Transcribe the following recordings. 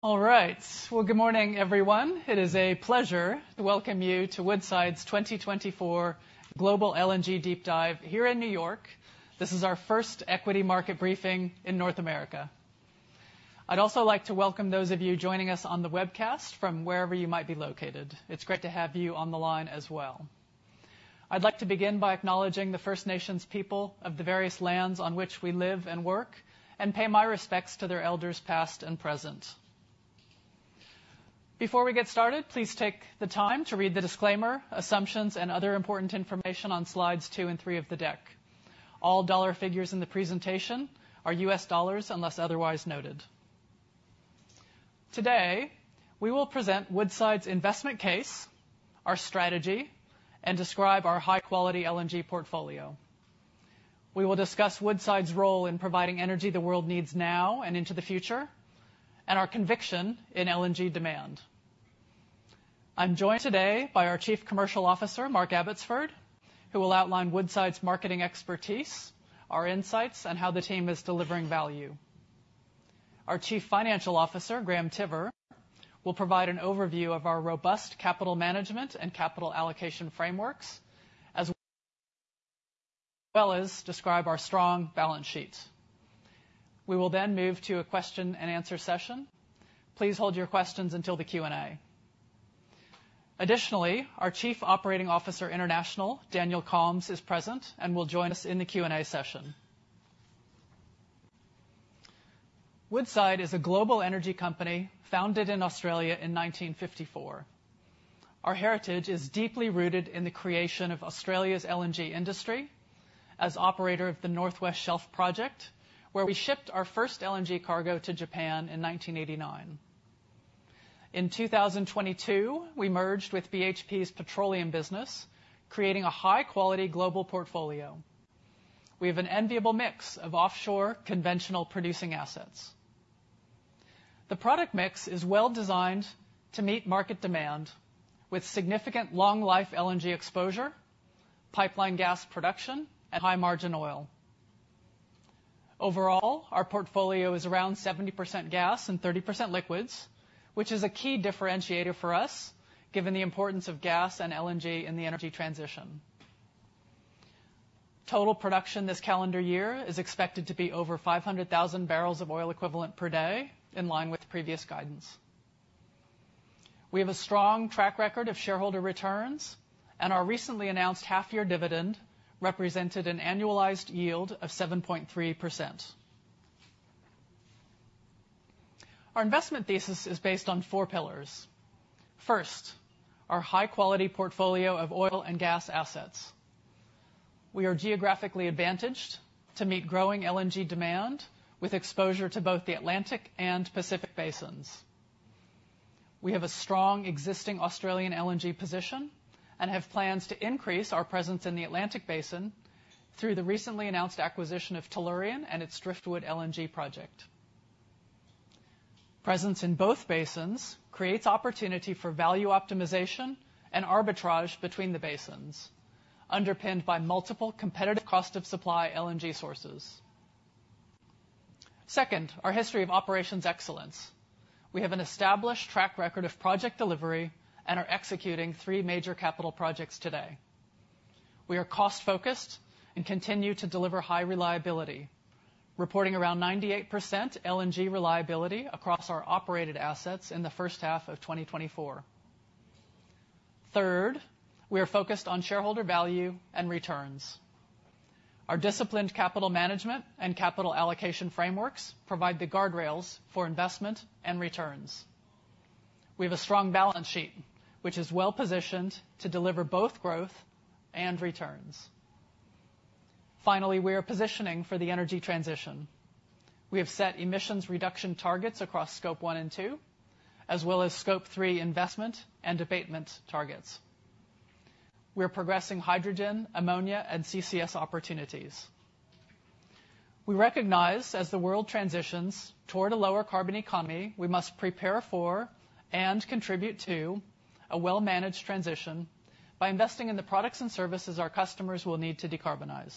All right. Well, good morning, everyone. It is a pleasure to welcome you to Woodside's 2024 Global LNG Deep Dive here in New York. This is our first equity market briefing in North America. I'd also like to welcome those of you joining us on the webcast from wherever you might be located. It's great to have you on the line as well. I'd like to begin by acknowledging the First Nations people of the various lands on which we live and work, and pay my respects to their elders, past and present. Before we get started, please take the time to read the disclaimer, assumptions, and other important information on slides two and three of the deck. All dollar figures in the presentation are US dollars, unless otherwise noted. Today, we will present Woodside's investment case, our strategy, and describe our high-quality LNG portfolio. We will discuss Woodside's role in providing energy the world needs now and into the future, and our conviction in LNG demand. I'm joined today by our Chief Commercial Officer, Mark Abbotsford, who will outline Woodside's marketing expertise, our insights, and how the team is delivering value. Our Chief Financial Officer, Graham Tiver, will provide an overview of our robust capital management and capital allocation frameworks, as well as describe our strong balance sheet. We will then move to a question-and-answer session. Please hold your questions until the Q&A. Additionally, our Chief Operating Officer, International, Daniel Kalms, is present and will join us in the Q&A session. Woodside is a global energy company founded in Australia in 1954. Our heritage is deeply rooted in the creation of Australia's LNG industry as operator of the North West Shelf Project, where we shipped our first LNG cargo to Japan in 1989. In 2022, we merged with BHP's petroleum business, creating a high-quality global portfolio. We have an enviable mix of offshore conventional producing assets. The product mix is well-designed to meet market demand, with significant long-life LNG exposure, pipeline gas production, and high-margin oil. Overall, our portfolio is around 70% gas and 30% liquids, which is a key differentiator for us, given the importance of gas and LNG in the energy transition. Total production this calendar year is expected to be over 500,000 barrels of oil equivalent per day, in line with previous guidance. We have a strong track record of shareholder returns, and our recently announced half-year dividend represented an annualized yield of 7.3%. Our investment thesis is based on four pillars. First, our high-quality portfolio of oil and gas assets. We are geographically advantaged to meet growing LNG demand, with exposure to both the Atlantic and Pacific Basins. We have a strong existing Australian LNG position and have plans to increase our presence in the Atlantic Basin through the recently announced acquisition of Tellurian and its Driftwood LNG project. Presence in both Basins creates opportunity for value optimization and arbitrage between the Basins, underpinned by multiple competitive cost of supply LNG sources. Second, our history of operations excellence. We have an established track record of project delivery and are executing three major capital projects today. We are cost-focused and continue to deliver high reliability, reporting around 98% LNG reliability across our operated assets in the first half of 2024. Third, we are focused on shareholder value and returns. Our disciplined capital management and capital allocation frameworks provide the guardrails for investment and returns. We have a strong balance sheet, which is well-positioned to deliver both growth and returns. Finally, we are positioning for the energy transition. We have set emissions reduction targets across Scope 1 and 2, as well as Scope 3 investment and abatement targets. We are progressing hydrogen, ammonia, and CCS opportunities. We recognize as the world transitions toward a lower carbon economy, we must prepare for and contribute to a well-managed transition by investing in the products and services our customers will need to decarbonize.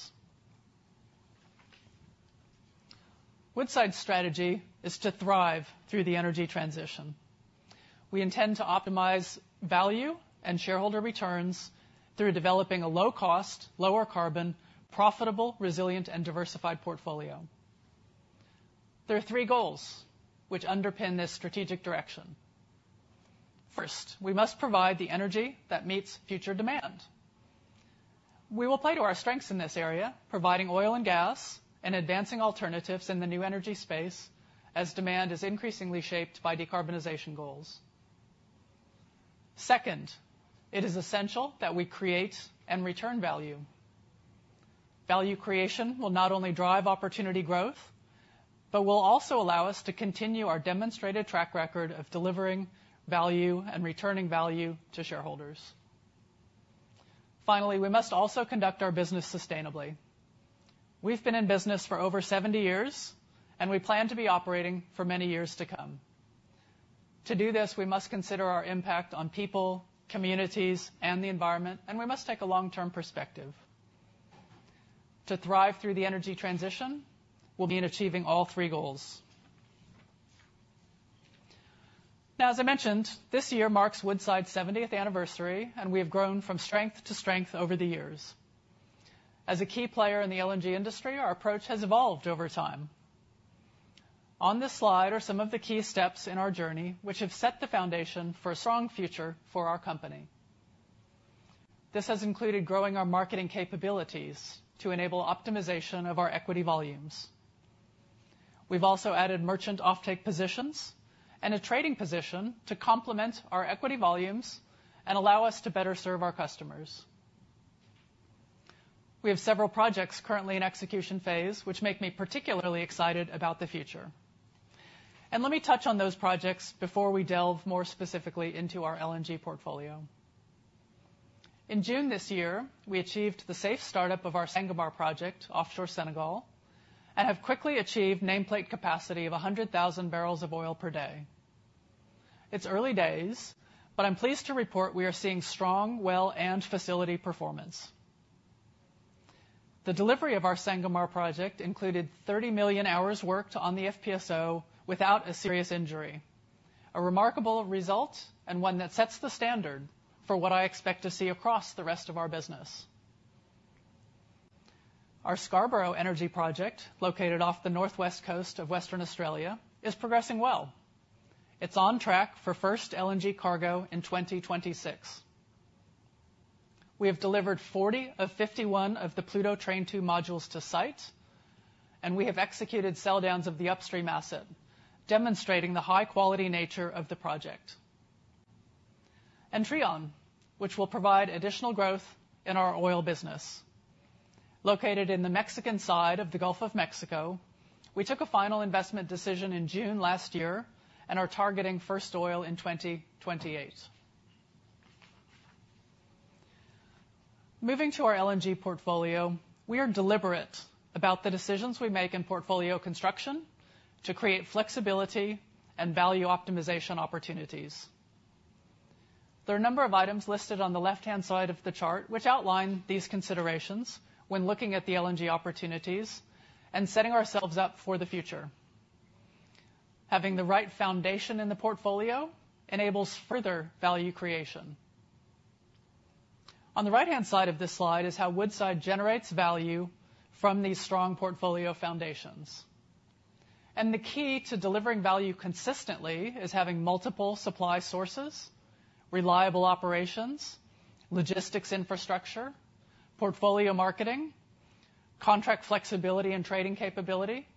Woodside's strategy is to thrive through the energy transition. We intend to optimize value and shareholder returns through developing a low cost, lower carbon, profitable, resilient, and diversified portfolio. There are three goals which underpin this strategic direction. First, we must provide the energy that meets future demand. We will play to our strengths in this area, providing oil and gas and advancing alternatives in the new energy space as demand is increasingly shaped by decarbonization goals. Second, it is essential that we create and return value. Value creation will not only drive opportunity growth, but will also allow us to continue our demonstrated track record of delivering value and returning value to shareholders. Finally, we must also conduct our business sustainably. We've been in business for over seventy years, and we plan to be operating for many years to come. To do this, we must consider our impact on people, communities, and the environment, and we must take a long-term perspective.... To thrive through the energy transition will be in achieving all three goals. Now, as I mentioned, this year marks Woodside's seventieth anniversary, and we have grown from strength to strength over the years. As a key player in the LNG industry, our approach has evolved over time. On this slide are some of the key steps in our journey, which have set the foundation for a strong future for our company. This has included growing our marketing capabilities to enable optimization of our equity volumes. We've also added merchant offtake positions and a trading position to complement our equity volumes and allow us to better serve our customers. We have several projects currently in execution phase, which make me particularly excited about the future. And let me touch on those projects before we delve more specifically into our LNG portfolio. In June this year, we achieved the safe startup of our Sangomar project, offshore Senegal, and have quickly achieved nameplate capacity of 100,000 barrels of oil per day. It's early days, but I'm pleased to report we are seeing strong well and facility performance. The delivery of our Sangomar project included 30 million hours worked on the FPSO without a serious injury, a remarkable result and one that sets the standard for what I expect to see across the rest of our business. Our Scarborough Energy Project, located off the northwest coast of Western Australia, is progressing well. It's on track for first LNG cargo in 2026. We have delivered 40 of 51 of the Pluto Train 2 modules to site, and we have executed sell downs of the upstream asset, demonstrating the high-quality nature of the project, and Trion, which will provide additional growth in our oil business, located in the Mexican side of the Gulf of Mexico, we took a final investment decision in June last year and are targeting first oil in 2028. Moving to our LNG portfolio, we are deliberate about the decisions we make in portfolio construction to create flexibility and value optimization opportunities. There are a number of items listed on the left-hand side of the chart, which outline these considerations when looking at the LNG opportunities and setting ourselves up for the future. Having the right foundation in the portfolio enables further value creation. On the right-hand side of this slide is how Woodside generates value from these strong portfolio foundations, and the key to delivering value consistently is having multiple supply sources, reliable operations, logistics infrastructure, portfolio marketing, contract flexibility and trading capability,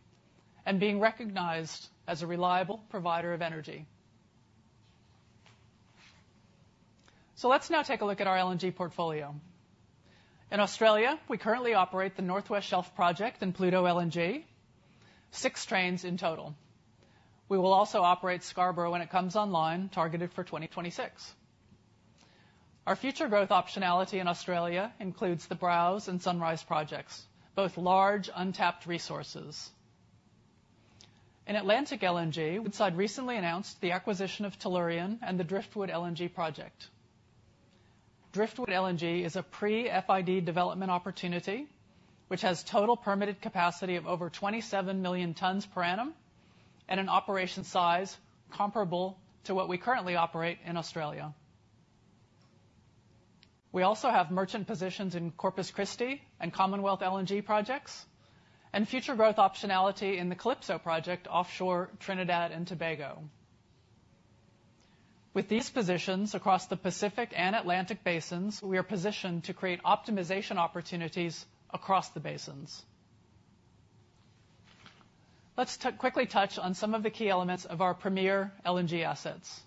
and being recognized as a reliable provider of energy, so let's now take a look at our LNG portfolio. In Australia, we currently operate the North West Shelf Project and Pluto LNG, six trains in total. We will also operate Scarborough when it comes online, targeted for 2026. Our future growth optionality in Australia includes the Browse and Sunrise projects, both large, untapped resources. In Atlantic LNG, Woodside recently announced the acquisition of Tellurian and the Driftwood LNG project. Driftwood LNG is a pre-FID development opportunity, which has total permitted capacity of over 27 million tons per annum and an operation size comparable to what we currently operate in Australia. We also have merchant positions in Corpus Christi and Commonwealth LNG projects, and future growth optionality in the Calypso project, offshore Trinidad and Tobago. With these positions across the Pacific and Atlantic basins, we are positioned to create optimization opportunities across the basins. Let's quickly touch on some of the key elements of our premier LNG assets.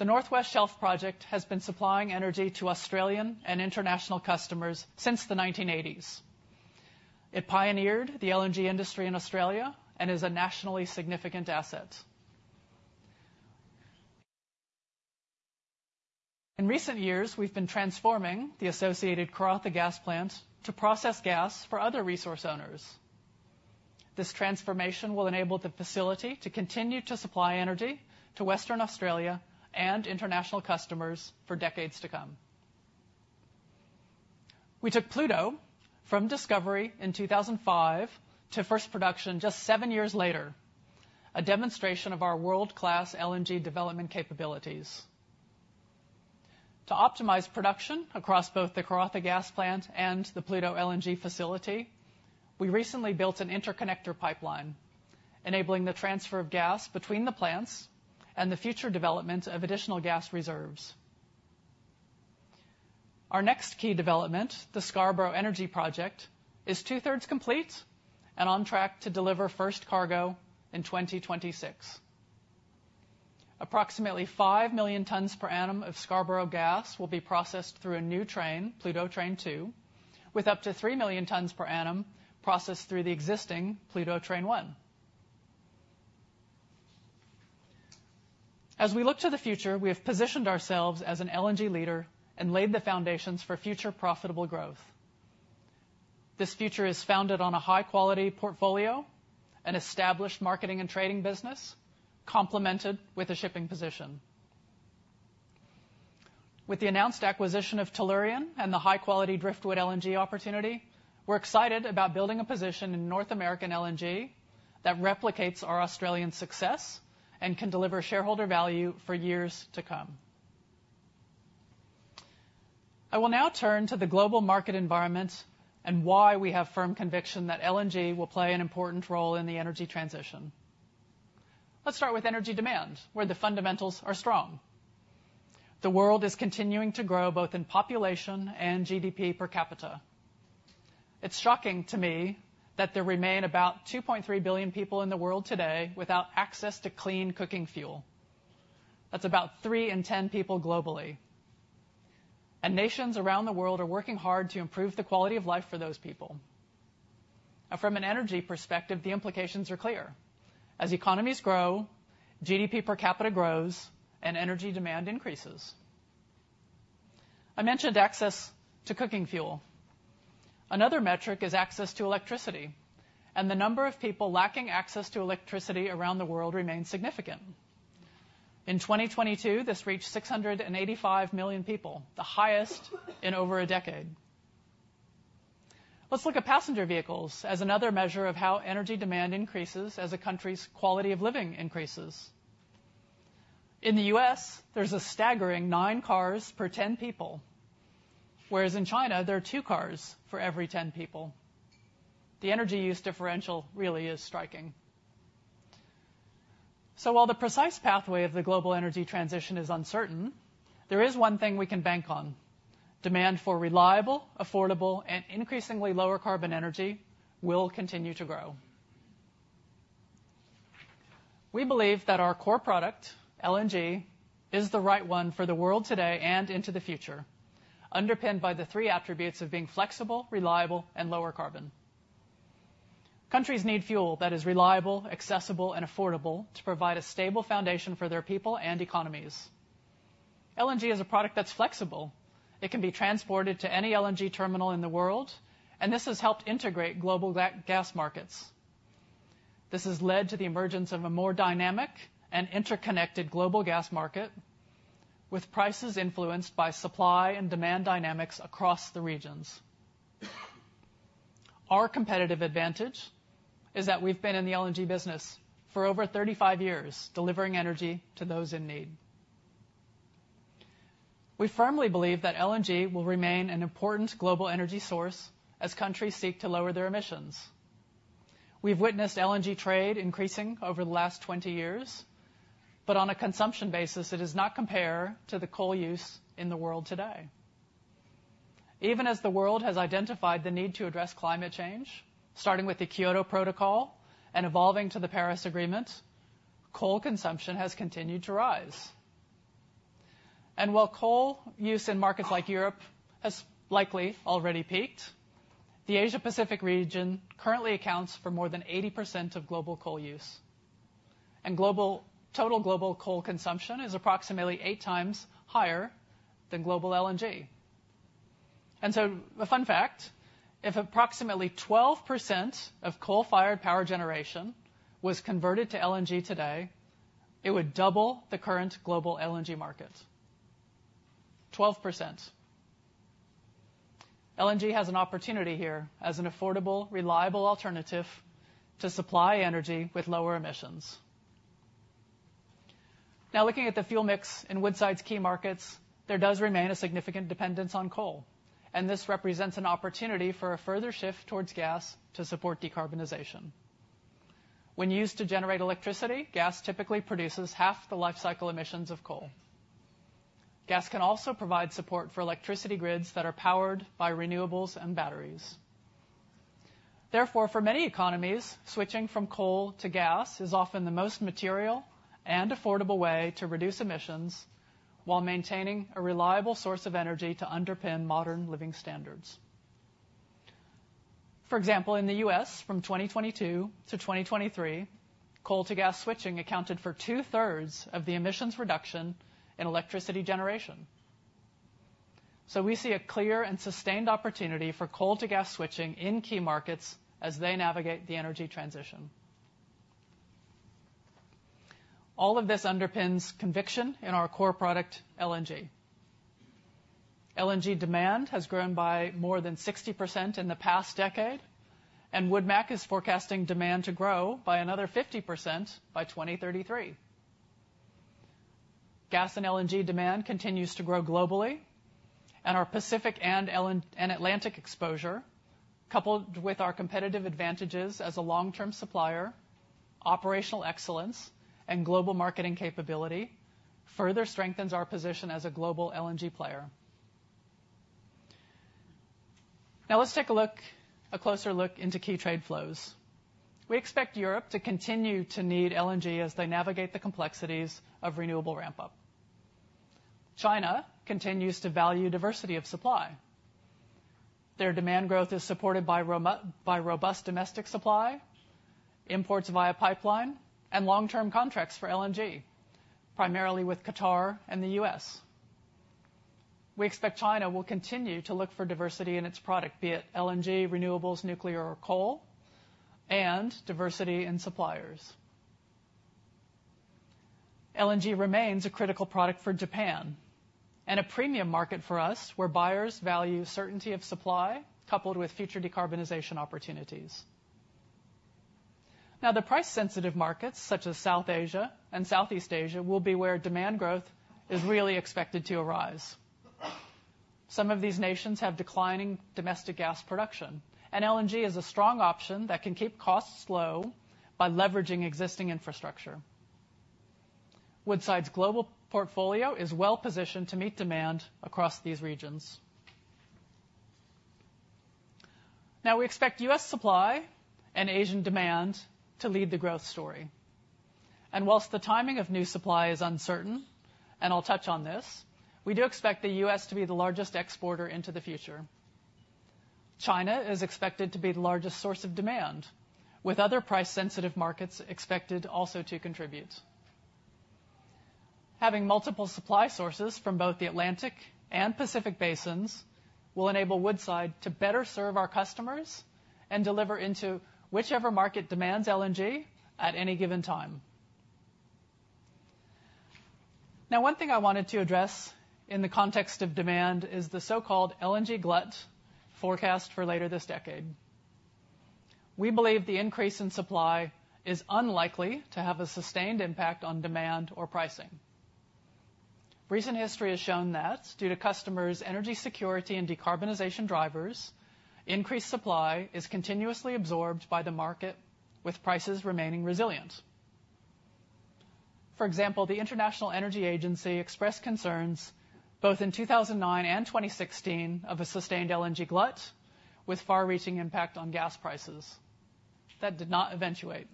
The North West Shelf Project has been supplying energy to Australian and international customers since the 1980s. It pioneered the LNG industry in Australia and is a nationally significant asset. In recent years, we've been transforming the associated Karratha Gas Plant to process gas for other resource owners. This transformation will enable the facility to continue to supply energy to Western Australia and international customers for decades to come. We took Pluto from discovery in 2005 to first production just seven years later, a demonstration of our world-class LNG development capabilities. To optimize production across both the Karratha Gas Plant and the Pluto LNG facility, we recently built an interconnector pipeline, enabling the transfer of gas between the plants and the future development of additional gas reserves. Our next key development, the Scarborough Energy Project, is two-thirds complete and on track to deliver first cargo in 2026. Approximately five million tons per annum of Scarborough gas will be processed through a new train, Pluto Train 2, with up to three million tons per annum processed through the existing Pluto Train 1. As we look to the future, we have positioned ourselves as an LNG leader and laid the foundations for future profitable growth. This future is founded on a high-quality portfolio and established marketing and trading business, complemented with a shipping position. With the announced acquisition of Tellurian and the high-quality Driftwood LNG opportunity, we're excited about building a position in North American LNG that replicates our Australian success and can deliver shareholder value for years to come. I will now turn to the global market environment and why we have firm conviction that LNG will play an important role in the energy transition. Let's start with energy demand, where the fundamentals are strong. The world is continuing to grow, both in population and GDP per capita. It's shocking to me that there remain about 2.3 billion people in the world today without access to clean cooking fuel. That's about three in 10 people globally, and nations around the world are working hard to improve the quality of life for those people. And from an energy perspective, the implications are clear. As economies grow, GDP per capita grows, and energy demand increases. I mentioned access to cooking fuel. Another metric is access to electricity, and the number of people lacking access to electricity around the world remains significant. In 2022, this reached 685 million people, the highest in over a decade. Let's look at passenger vehicles as another measure of how energy demand increases as a country's quality of living increases. In the U.S., there's a staggering nine cars per ten people, whereas in China, there are two cars for every ten people. The energy use differential really is striking. So while the precise pathway of the global energy transition is uncertain, there is one thing we can bank on. Demand for reliable, affordable, and increasingly lower carbon energy will continue to grow. We believe that our core product, LNG, is the right one for the world today and into the future, underpinned by the three attributes of being flexible, reliable, and lower carbon. Countries need fuel that is reliable, accessible, and affordable to provide a stable foundation for their people and economies. LNG is a product that's flexible. It can be transported to any LNG terminal in the world, and this has helped integrate global gas markets. This has led to the emergence of a more dynamic and interconnected global gas market, with prices influenced by supply and demand dynamics across the regions. Our competitive advantage is that we've been in the LNG business for over 35 years, delivering energy to those in need. We firmly believe that LNG will remain an important global energy source as countries seek to lower their emissions. We've witnessed LNG trade increasing over the last 20 years, but on a consumption basis, it does not compare to the coal use in the world today. Even as the world has identified the need to address climate change, starting with the Kyoto Protocol and evolving to the Paris Agreement, coal consumption has continued to rise. And while coal use in markets like Europe has likely already peaked, the Asia-Pacific region currently accounts for more than 80% of global coal use, and total global coal consumption is approximately eight times higher than global LNG. And so a fun fact: if approximately 12% of coal-fired power generation was converted to LNG today, it would double the current global LNG market. 12%. LNG has an opportunity here as an affordable, reliable alternative to supply energy with lower emissions. Now, looking at the fuel mix in Woodside's key markets, there does remain a significant dependence on coal, and this represents an opportunity for a further shift towards gas to support decarbonization. When used to generate electricity, gas typically produces half the lifecycle emissions of coal. Gas can also provide support for electricity grids that are powered by renewables and batteries. Therefore, for many economies, switching from coal to gas is often the most material and affordable way to reduce emissions while maintaining a reliable source of energy to underpin modern living standards. For example, in the U.S., from 2022 to 2023, coal to gas switching accounted for two-thirds of the emissions reduction in electricity generation. So we see a clear and sustained opportunity for coal to gas switching in key markets as they navigate the energy transition. All of this underpins conviction in our core product, LNG. LNG demand has grown by more than 60% in the past decade, and Woodmac is forecasting demand to grow by another 50% by 2033. Gas and LNG demand continues to grow globally, and our Pacific and LNG and Atlantic exposure, coupled with our competitive advantages as a long-term supplier, operational excellence, and global marketing capability, further strengthens our position as a global LNG player. Now, let's take a look, a closer look into key trade flows. We expect Europe to continue to need LNG as they navigate the complexities of renewable ramp-up. China continues to value diversity of supply. Their demand growth is supported by robust domestic supply, imports via pipeline, and long-term contracts for LNG, primarily with Qatar and the US. We expect China will continue to look for diversity in its product, be it LNG, renewables, nuclear, or coal, and diversity in suppliers. LNG remains a critical product for Japan, and a premium market for us, where buyers value certainty of supply, coupled with future decarbonization opportunities. Now, the price-sensitive markets, such as South Asia and Southeast Asia, will be where demand growth is really expected to arise. Some of these nations have declining domestic gas production, and LNG is a strong option that can keep costs low by leveraging existing infrastructure. Woodside's global portfolio is well-positioned to meet demand across these regions. Now, we expect U.S. supply and Asian demand to lead the growth story. And whilst the timing of new supply is uncertain, and I'll touch on this, we do expect the U.S. to be the largest exporter into the future. China is expected to be the largest source of demand, with other price-sensitive markets expected also to contribute. Having multiple supply sources from both the Atlantic Basin and Pacific Basin will enable Woodside to better serve our customers and deliver into whichever market demands LNG at any given time. Now, one thing I wanted to address in the context of demand is the so-called LNG glut forecast for later this decade. We believe the increase in supply is unlikely to have a sustained impact on demand or pricing. Recent history has shown that due to customers' energy security and decarbonization drivers, increased supply is continuously absorbed by the market, with prices remaining resilient. For example, the International Energy Agency expressed concerns both in 2009 and 2016 of a sustained LNG glut, with far-reaching impact on gas prices. That did not eventuate.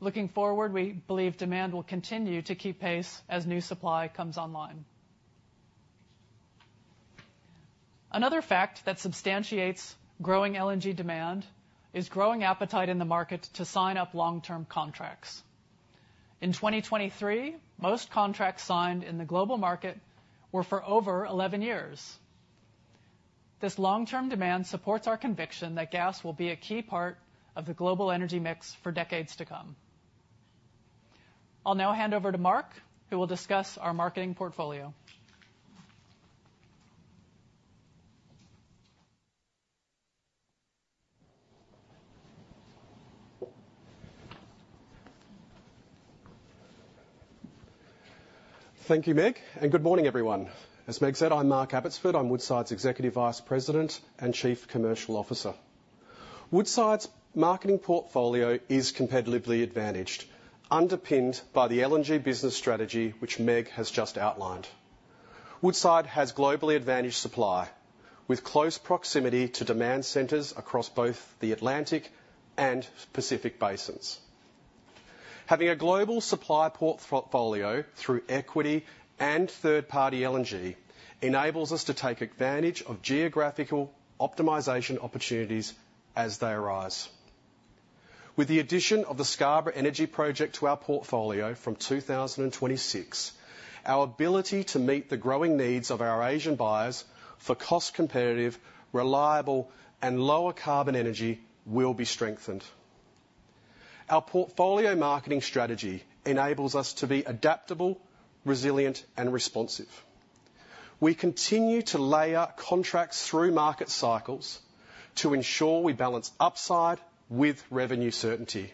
Looking forward, we believe demand will continue to keep pace as new supply comes online. Another fact that substantiates growing LNG demand is growing appetite in the market to sign up long-term contracts. In 2023, most contracts signed in the global market were for over eleven years. This long-term demand supports our conviction that gas will be a key part of the global energy mix for decades to come. I'll now hand over to Mark, who will discuss our marketing portfolio. Thank you, Meg, and good morning, everyone. As Meg said, I'm Mark Abbotsford. I'm Woodside's Executive Vice President and Chief Commercial Officer. Woodside's marketing portfolio is competitively advantaged, underpinned by the LNG business strategy, which Meg has just outlined. Woodside has globally advantaged supply, with close proximity to demand centers across both the Atlantic and Pacific Basins. Having a global supply portfolio through equity and third-party LNG enables us to take advantage of geographical optimization opportunities as they arise. With the addition of the Scarborough Energy Project to our portfolio from 2026, our ability to meet the growing needs of our Asian buyers for cost competitive, reliable, and lower carbon energy will be strengthened. Our portfolio marketing strategy enables us to be adaptable, resilient, and responsive. We continue to layer contracts through market cycles to ensure we balance upside with revenue certainty.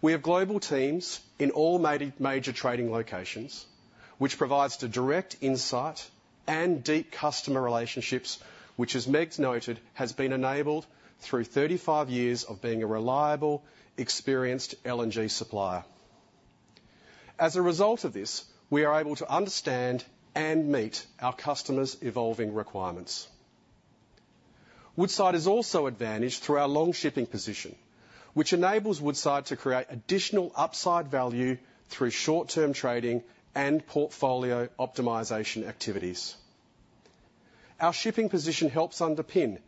We have global teams in all major trading locations, which provides the direct insight and deep customer relationships, which, as Meg's noted, has been enabled through thirty-five years of being a reliable, experienced LNG supplier. As a result of this, we are able to understand and meet our customers' evolving requirements. Woodside is also advantaged through our long shipping position, which enables Woodside to create additional upside value through short-term trading and portfolio optimization activities. Our shipping position helps underpin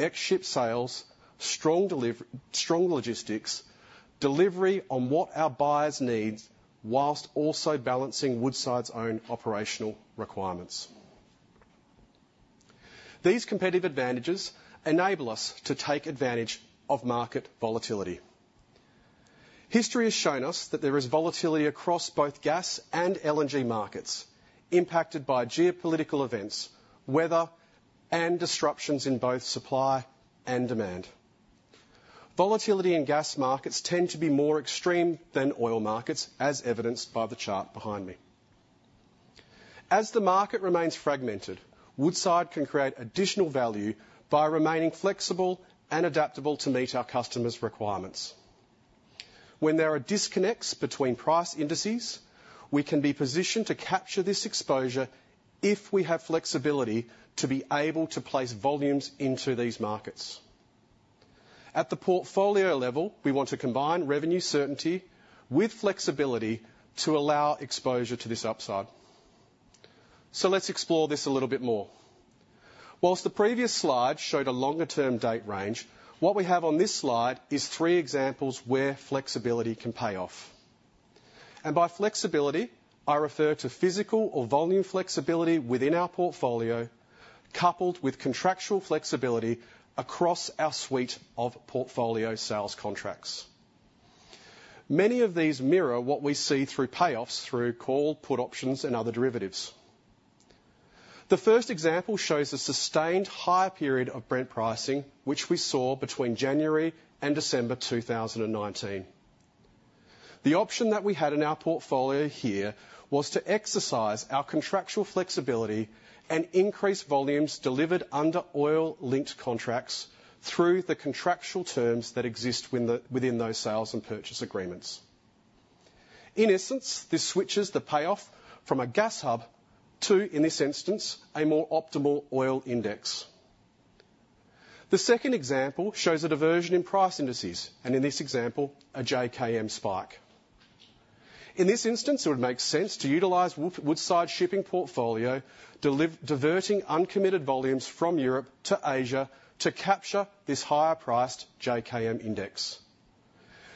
ex-ship sales, strong logistics, delivery on what our buyers need, while also balancing Woodside's own operational requirements. These competitive advantages enable us to take advantage of market volatility. History has shown us that there is volatility across both gas and LNG markets, impacted by geopolitical events, weather, and disruptions in both supply and demand. Volatility in gas markets tend to be more extreme than oil markets, as evidenced by the chart behind me. As the market remains fragmented, Woodside can create additional value by remaining flexible and adaptable to meet our customers' requirements. When there are disconnects between price indices, we can be positioned to capture this exposure if we have flexibility to be able to place volumes into these markets. At the portfolio level, we want to combine revenue certainty with flexibility to allow exposure to this upside. So let's explore this a little bit more. While the previous slide showed a longer-term date range, what we have on this slide is three examples where flexibility can pay off... and by flexibility, I refer to physical or volume flexibility within our portfolio, coupled with contractual flexibility across our suite of portfolio sales contracts. Many of these mirror what we see through payoffs, through call, put options and other derivatives. The first example shows a sustained higher period of Brent pricing, which we saw between January and December 2019. The option that we had in our portfolio here was to exercise our contractual flexibility and increase volumes delivered under oil-linked contracts through the contractual terms that exist within those sales and purchase agreements. In essence, this switches the payoff from a gas hub to, in this instance, a more optimal oil index. The second example shows a diversion in price indices, and in this example, a JKM spike. In this instance, it would make sense to utilize Woodside's shipping portfolio, diverting uncommitted volumes from Europe to Asia to capture this higher priced JKM index.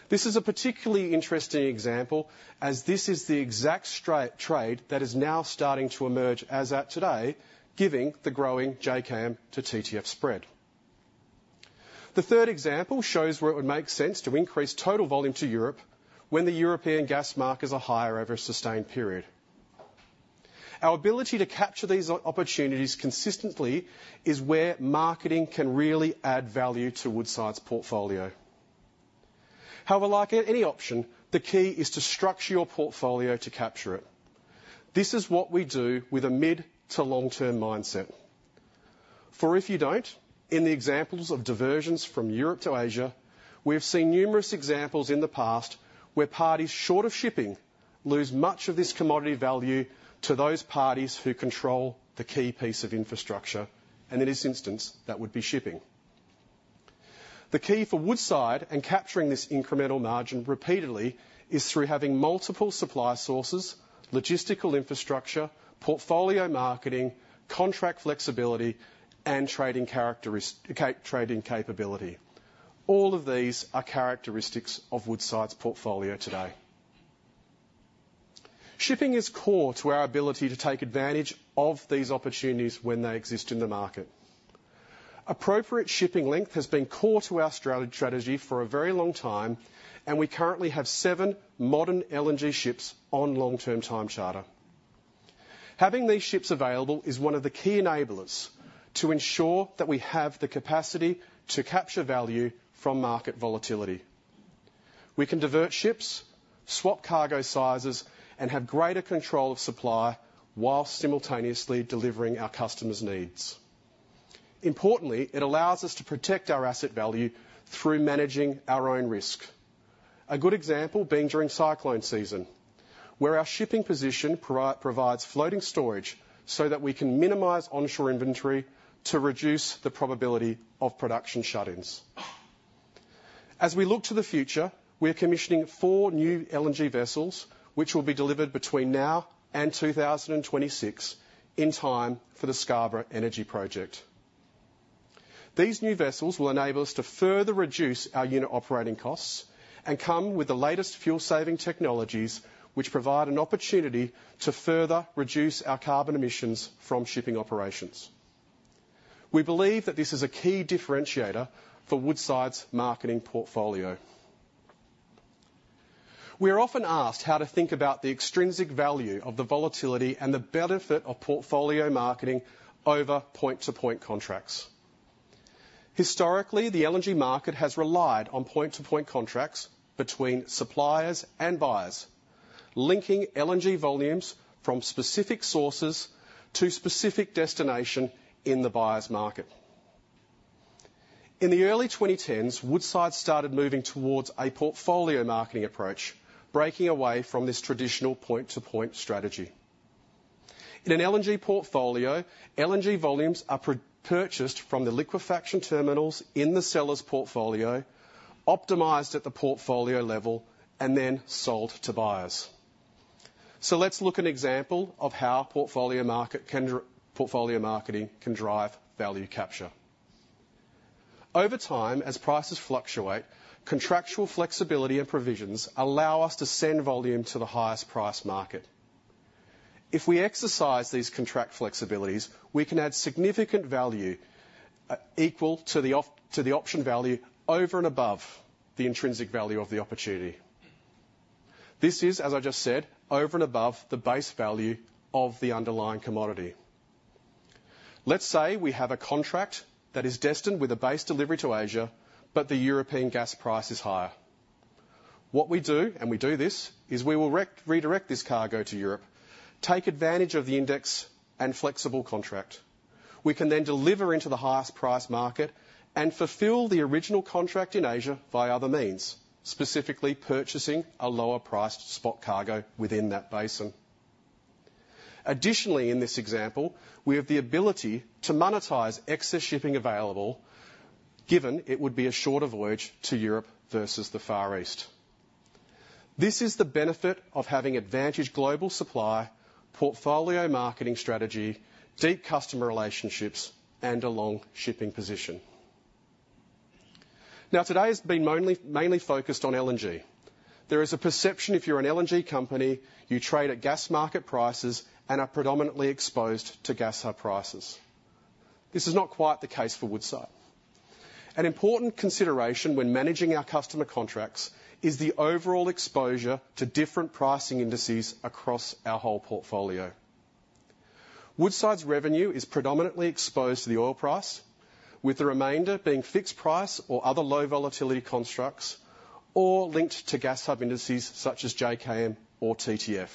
This is a particularly interesting example, as this is the exact straight trade that is now starting to emerge as at today, giving the growing JKM to TTF spread. The third example shows where it would make sense to increase total volume to Europe when the European gas market is higher over a sustained period. Our ability to capture these opportunities consistently is where marketing can really add value to Woodside's portfolio. However, like in any option, the key is to structure your portfolio to capture it. This is what we do with a mid to long-term mindset. For if you don't, in the examples of diversions from Europe to Asia, we have seen numerous examples in the past where parties short of shipping lose much of this commodity value to those parties who control the key piece of infrastructure, and in this instance, that would be shipping. The key for Woodside in capturing this incremental margin repeatedly is through having multiple supply sources, logistical infrastructure, portfolio marketing, contract flexibility, and trading characteristic, trade and capability. All of these are characteristics of Woodside's portfolio today. Shipping is core to our ability to take advantage of these opportunities when they exist in the market. Appropriate shipping length has been core to our strategy for a very long time, and we currently have seven modern LNG ships on long-term time charter. Having these ships available is one of the key enablers to ensure that we have the capacity to capture value from market volatility. We can divert ships, swap cargo sizes, and have greater control of supply whilst simultaneously delivering our customers' needs. Importantly, it allows us to protect our asset value through managing our own risk. A good example being during cyclone season, where our shipping position provides floating storage so that we can minimize onshore inventory to reduce the probability of production shutdowns. As we look to the future, we are commissioning four new LNG vessels, which will be delivered between now and 2026, in time for the Scarborough Energy Project. These new vessels will enable us to further reduce our unit operating costs and come with the latest fuel-saving technologies, which provide an opportunity to further reduce our carbon emissions from shipping operations. We believe that this is a key differentiator for Woodside's marketing portfolio. We are often asked how to think about the extrinsic value of the volatility and the benefit of portfolio marketing over point-to-point contracts. Historically, the LNG market has relied on point-to-point contracts between suppliers and buyers, linking LNG volumes from specific sources to specific destination in the buyer's market. In the early 2010s, Woodside started moving towards a portfolio marketing approach, breaking away from this traditional point-to-point strategy. In an LNG portfolio, LNG volumes are purchased from the liquefaction terminals in the seller's portfolio, optimized at the portfolio level, and then sold to buyers. Let's look at an example of how portfolio marketing can drive value capture. Over time, as prices fluctuate, contractual flexibility and provisions allow us to send volume to the highest price market. If we exercise these contract flexibilities, we can add significant value, equal to the option value over and above the intrinsic value of the opportunity. This is, as I just said, over and above the base value of the underlying commodity. Let's say we have a contract that is destined with a base delivery to Asia, but the European gas price is higher. What we do, and we do this, is we will redirect this cargo to Europe, take advantage of the index and flexible contract. We can then deliver into the highest price market and fulfill the original contract in Asia via other means, specifically purchasing a lower priced spot cargo within that basin. Additionally, in this example, we have the ability to monetize excess shipping available, given it would be a shorter voyage to Europe versus the Far East. This is the benefit of having advantage global supply, portfolio marketing strategy, deep customer relationships, and a long shipping position. Now, today has been mainly focused on LNG. There is a perception if you're an LNG company, you trade at gas market prices and are predominantly exposed to gas hub prices. This is not quite the case for Woodside. An important consideration when managing our customer contracts is the overall exposure to different pricing indices across our whole portfolio. Woodside's revenue is predominantly exposed to the oil price, with the remainder being fixed price or other low volatility constructs, or linked to gas hub indices such as JKM or TTF.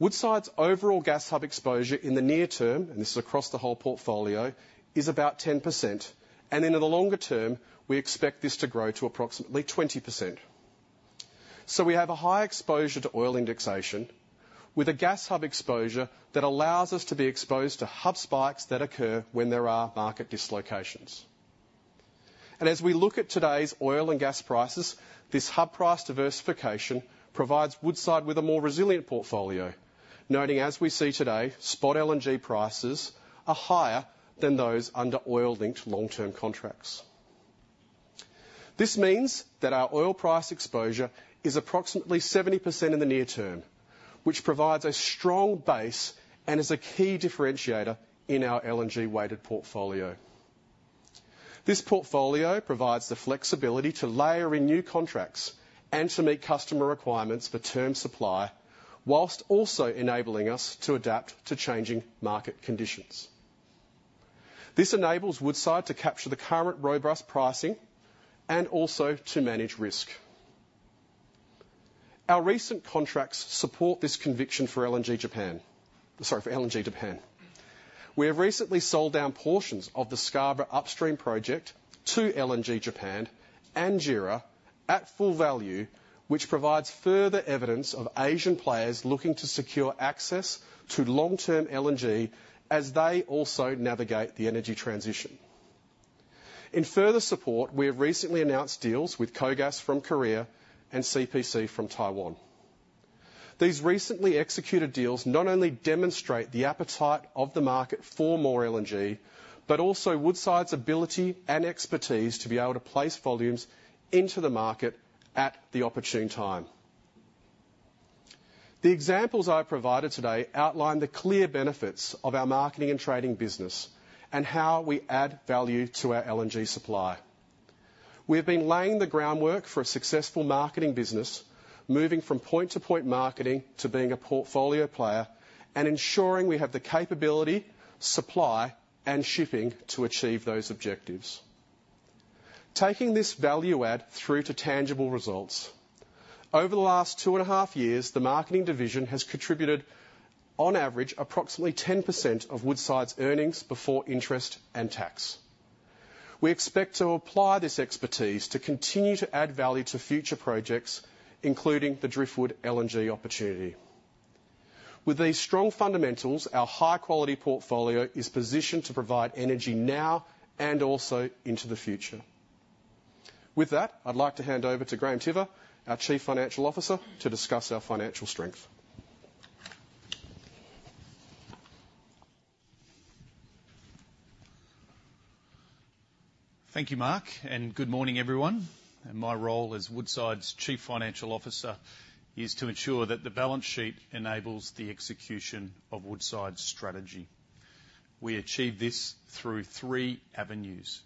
Woodside's overall gas hub exposure in the near term, and this is across the whole portfolio, is about 10%, and in the longer term, we expect this to grow to approximately 20%. So we have a high exposure to oil indexation, with a gas hub exposure that allows us to be exposed to hub spikes that occur when there are market dislocations. As we look at today's oil and gas prices, this hub price diversification provides Woodside with a more resilient portfolio, noting, as we see today, spot LNG prices are higher than those under oil-linked long-term contracts. This means that our oil price exposure is approximately 70% in the near term, which provides a strong base and is a key differentiator in our LNG-weighted portfolio. This portfolio provides the flexibility to layer in new contracts and to meet customer requirements for term supply, while also enabling us to adapt to changing market conditions. This enables Woodside to capture the current robust pricing and also to manage risk. Our recent contracts support this conviction for LNG Japan. We have recently sold down portions of the Scarborough Upstream project to LNG Japan and JERA at full value, which provides further evidence of Asian players looking to secure access to long-term LNG as they also navigate the energy transition. In further support, we have recently announced deals with KOGAS from Korea and CPC from Taiwan. These recently executed deals not only demonstrate the appetite of the market for more LNG, but also Woodside's ability and expertise to be able to place volumes into the market at the opportune time. The examples I provided today outline the clear benefits of our marketing and trading business and how we add value to our LNG supply. We have been laying the groundwork for a successful marketing business, moving from point-to-point marketing to being a portfolio player and ensuring we have the capability, supply, and shipping to achieve those objectives. Taking this value add through to tangible results, over the last two and a half years, the marketing division has contributed, on average, approximately 10% of Woodside's earnings before interest and tax. We expect to apply this expertise to continue to add value to future projects, including the Driftwood LNG opportunity. With these strong fundamentals, our high-quality portfolio is positioned to provide energy now and also into the future. With that, I'd like to hand over to Graham Tiver, our Chief Financial Officer, to discuss our financial strength. Thank you, Mark, and good morning, everyone. And my role as Woodside's Chief Financial Officer is to ensure that the balance sheet enables the execution of Woodside's strategy. We achieve this through three avenues.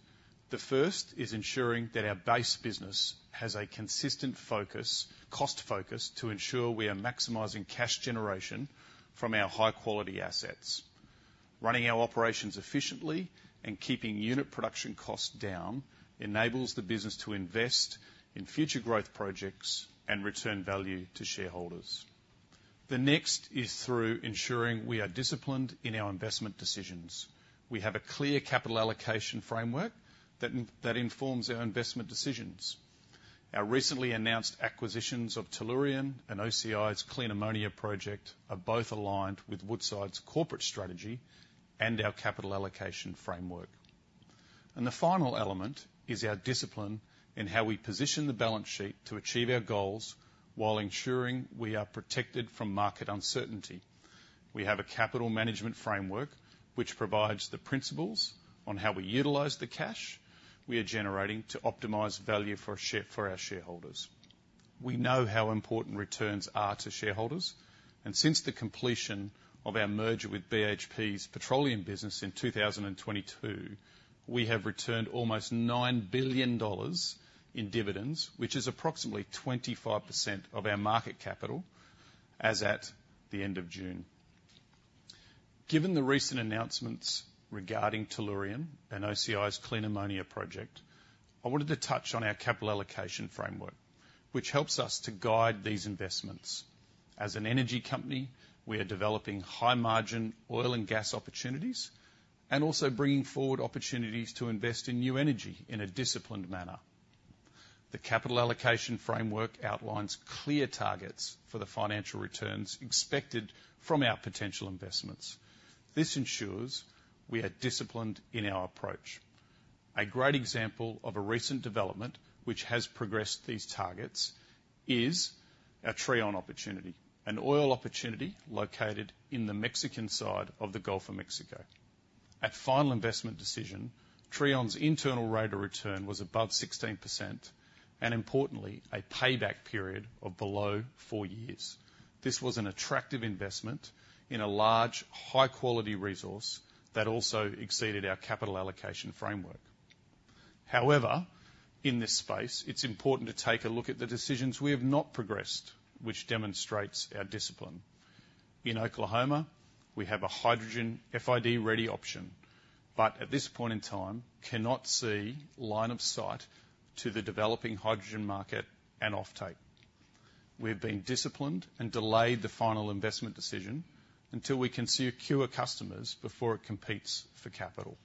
The first is ensuring that our base business has a consistent focus, cost focus, to ensure we are maximizing cash generation from our high-quality assets. Running our operations efficiently and keeping unit production costs down enables the business to invest in future growth projects and return value to shareholders. The next is through ensuring we are disciplined in our investment decisions. We have a clear capital allocation framework that informs our investment decisions. Our recently announced acquisitions of Tellurian and OCI's clean ammonia project are both aligned with Woodside's corporate strategy and our capital allocation framework. The final element is our discipline in how we position the balance sheet to achieve our goals while ensuring we are protected from market uncertainty. We have a capital management framework, which provides the principles on how we utilize the cash we are generating to optimize value for our shareholders. We know how important returns are to shareholders, and since the completion of our merger with BHP's petroleum business in 2022, we have returned almost $9 billion in dividends, which is approximately 25% of our market cap as at the end of June. Given the recent announcements regarding Tellurian and OCI's Clean Ammonia project, I wanted to touch on our capital allocation framework, which helps us to guide these investments. As an energy company, we are developing high-margin oil and gas opportunities and also bringing forward opportunities to invest in new energy in a disciplined manner. The capital allocation framework outlines clear targets for the financial returns expected from our potential investments. This ensures we are disciplined in our approach. A great example of a recent development which has progressed these targets is our Trion opportunity, an oil opportunity located in the Mexican side of the Gulf of Mexico. At final investment decision, Trion's internal rate of return was above 16%, and importantly, a payback period of below four years. This was an attractive investment in a large, high-quality resource that also exceeded our capital allocation framework. However, in this space, it's important to take a look at the decisions we have not progressed, which demonstrates our discipline. In Oklahoma, we have a hydrogen FID-ready option, but at this point in time, cannot see line of sight to the developing hydrogen market and offtake. We have been disciplined and delayed the final investment decision until we can secure customers before it competes for capital.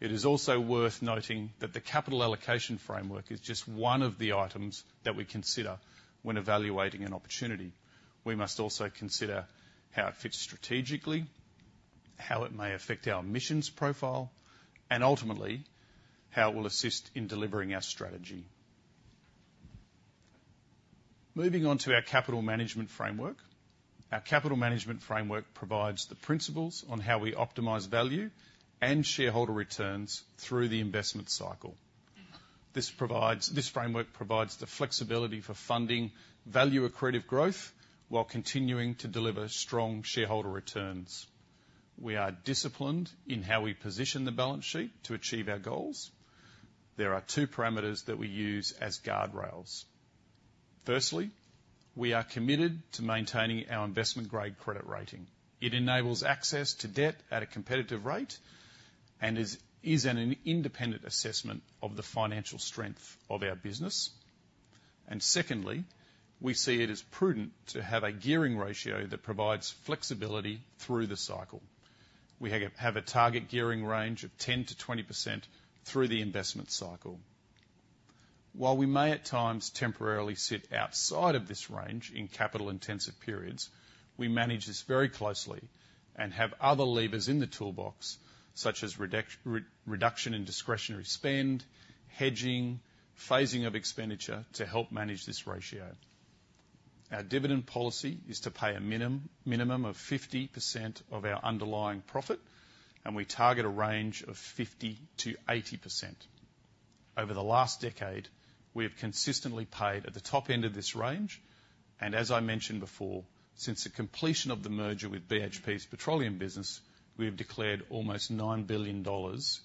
It is also worth noting that the capital allocation framework is just one of the items that we consider when evaluating an opportunity. We must also consider how it fits strategically, how it may affect our emissions profile, and ultimately, how it will assist in delivering our strategy. Moving on to our capital management framework. Our capital management framework provides the principles on how we optimize value and shareholder returns through the investment cycle. This framework provides the flexibility for funding value-accretive growth, while continuing to deliver strong shareholder returns. We are disciplined in how we position the balance sheet to achieve our goals. There are two parameters that we use as guardrails. Firstly, we are committed to maintaining our investment-grade credit rating. It enables access to debt at a competitive rate and is an independent assessment of the financial strength of our business. And secondly, we see it as prudent to have a gearing ratio that provides flexibility through the cycle. We have a target gearing range of 10%-20% through the investment cycle. While we may, at times, temporarily sit outside of this range in capital-intensive periods, we manage this very closely and have other levers in the toolbox, such as reduction in discretionary spend, hedging, phasing of expenditure to help manage this ratio. Our dividend policy is to pay a minimum of 50% of our underlying profit, and we target a range of 50%-80%. Over the last decade, we have consistently paid at the top end of this range, and as I mentioned before, since the completion of the merger with BHP's petroleum business, we have declared almost $9 billion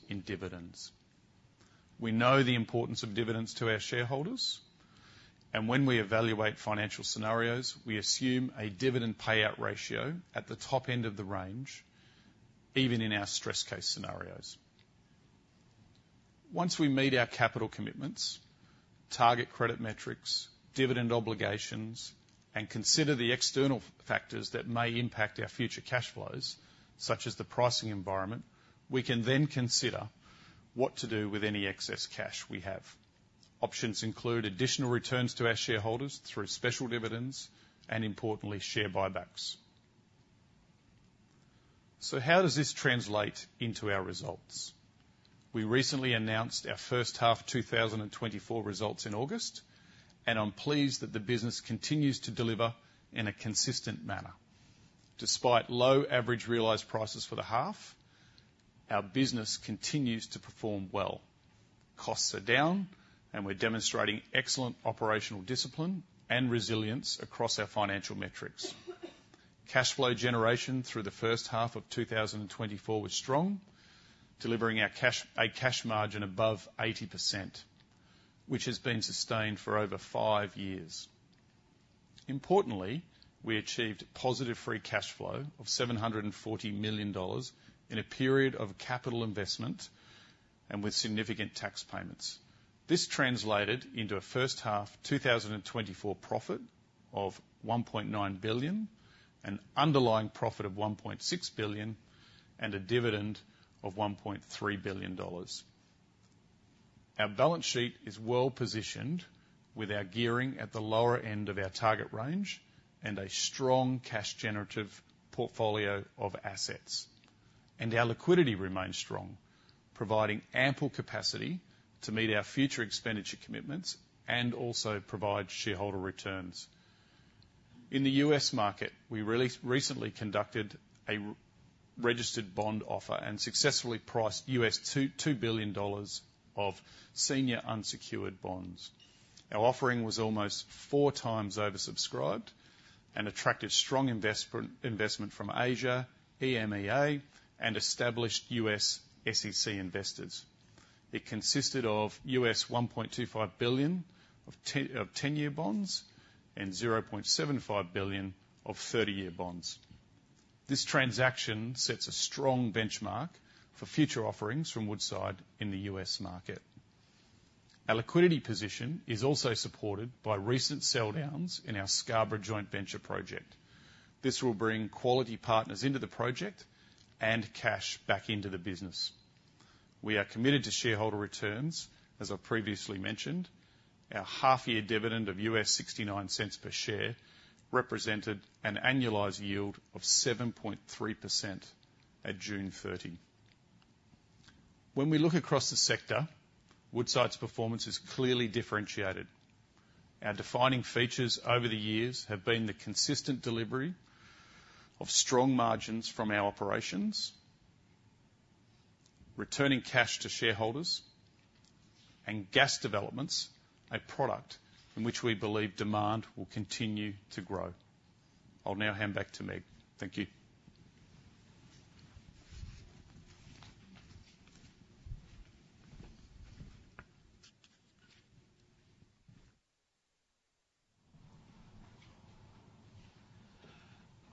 in dividends. We know the importance of dividends to our shareholders, and when we evaluate financial scenarios, we assume a dividend payout ratio at the top end of the range, even in our stress case scenarios. Once we meet our capital commitments, target credit metrics, dividend obligations, and consider the external factors that may impact our future cash flows, such as the pricing environment, we can then consider what to do with any excess cash we have. Options include additional returns to our shareholders through special dividends, and importantly, share buybacks. So how does this translate into our results? We recently announced our first half 2024 results in August, and I'm pleased that the business continues to deliver in a consistent manner. Despite low average realized prices for the half, our business continues to perform well. Costs are down, and we're demonstrating excellent operational discipline and resilience across our financial metrics. Cash flow generation through the first half of 2024 was strong, delivering a cash margin above 80%, which has been sustained for over five years. Importantly, we achieved positive free cash flow of $740 million in a period of capital investment and with significant tax payments. This translated into a first half 2024 profit of $1.9 billion, an underlying profit of $1.6 billion, and a dividend of $1.3 billion. Our balance sheet is well positioned, with our gearing at the lower end of our target range and a strong cash-generative portfolio of assets. Our liquidity remains strong, providing ample capacity to meet our future expenditure commitments and also provide shareholder returns. In the U.S. market, we recently conducted a registered bond offer and successfully priced $2 billion of senior unsecured bonds. Our offering was almost four times oversubscribed and attracted strong investment from Asia, EMEA, and established U.S. SEC investors. It consisted of $1.25 billion of ten-year bonds and $0.75 billion of thirty-year bonds. This transaction sets a strong benchmark for future offerings from Woodside in the US market. Our liquidity position is also supported by recent sell downs in our Scarborough joint venture project. This will bring quality partners into the project and cash back into the business. We are committed to shareholder returns, as I previously mentioned. Our half-year dividend of $0.69 per share represented an annualized yield of 7.3% at June 30.... When we look across the sector, Woodside's performance is clearly differentiated. Our defining features over the years have been the consistent delivery of strong margins from our operations, returning cash to shareholders, and gas developments, a product in which we believe demand will continue to grow. I'll now hand back to Meg. Thank you.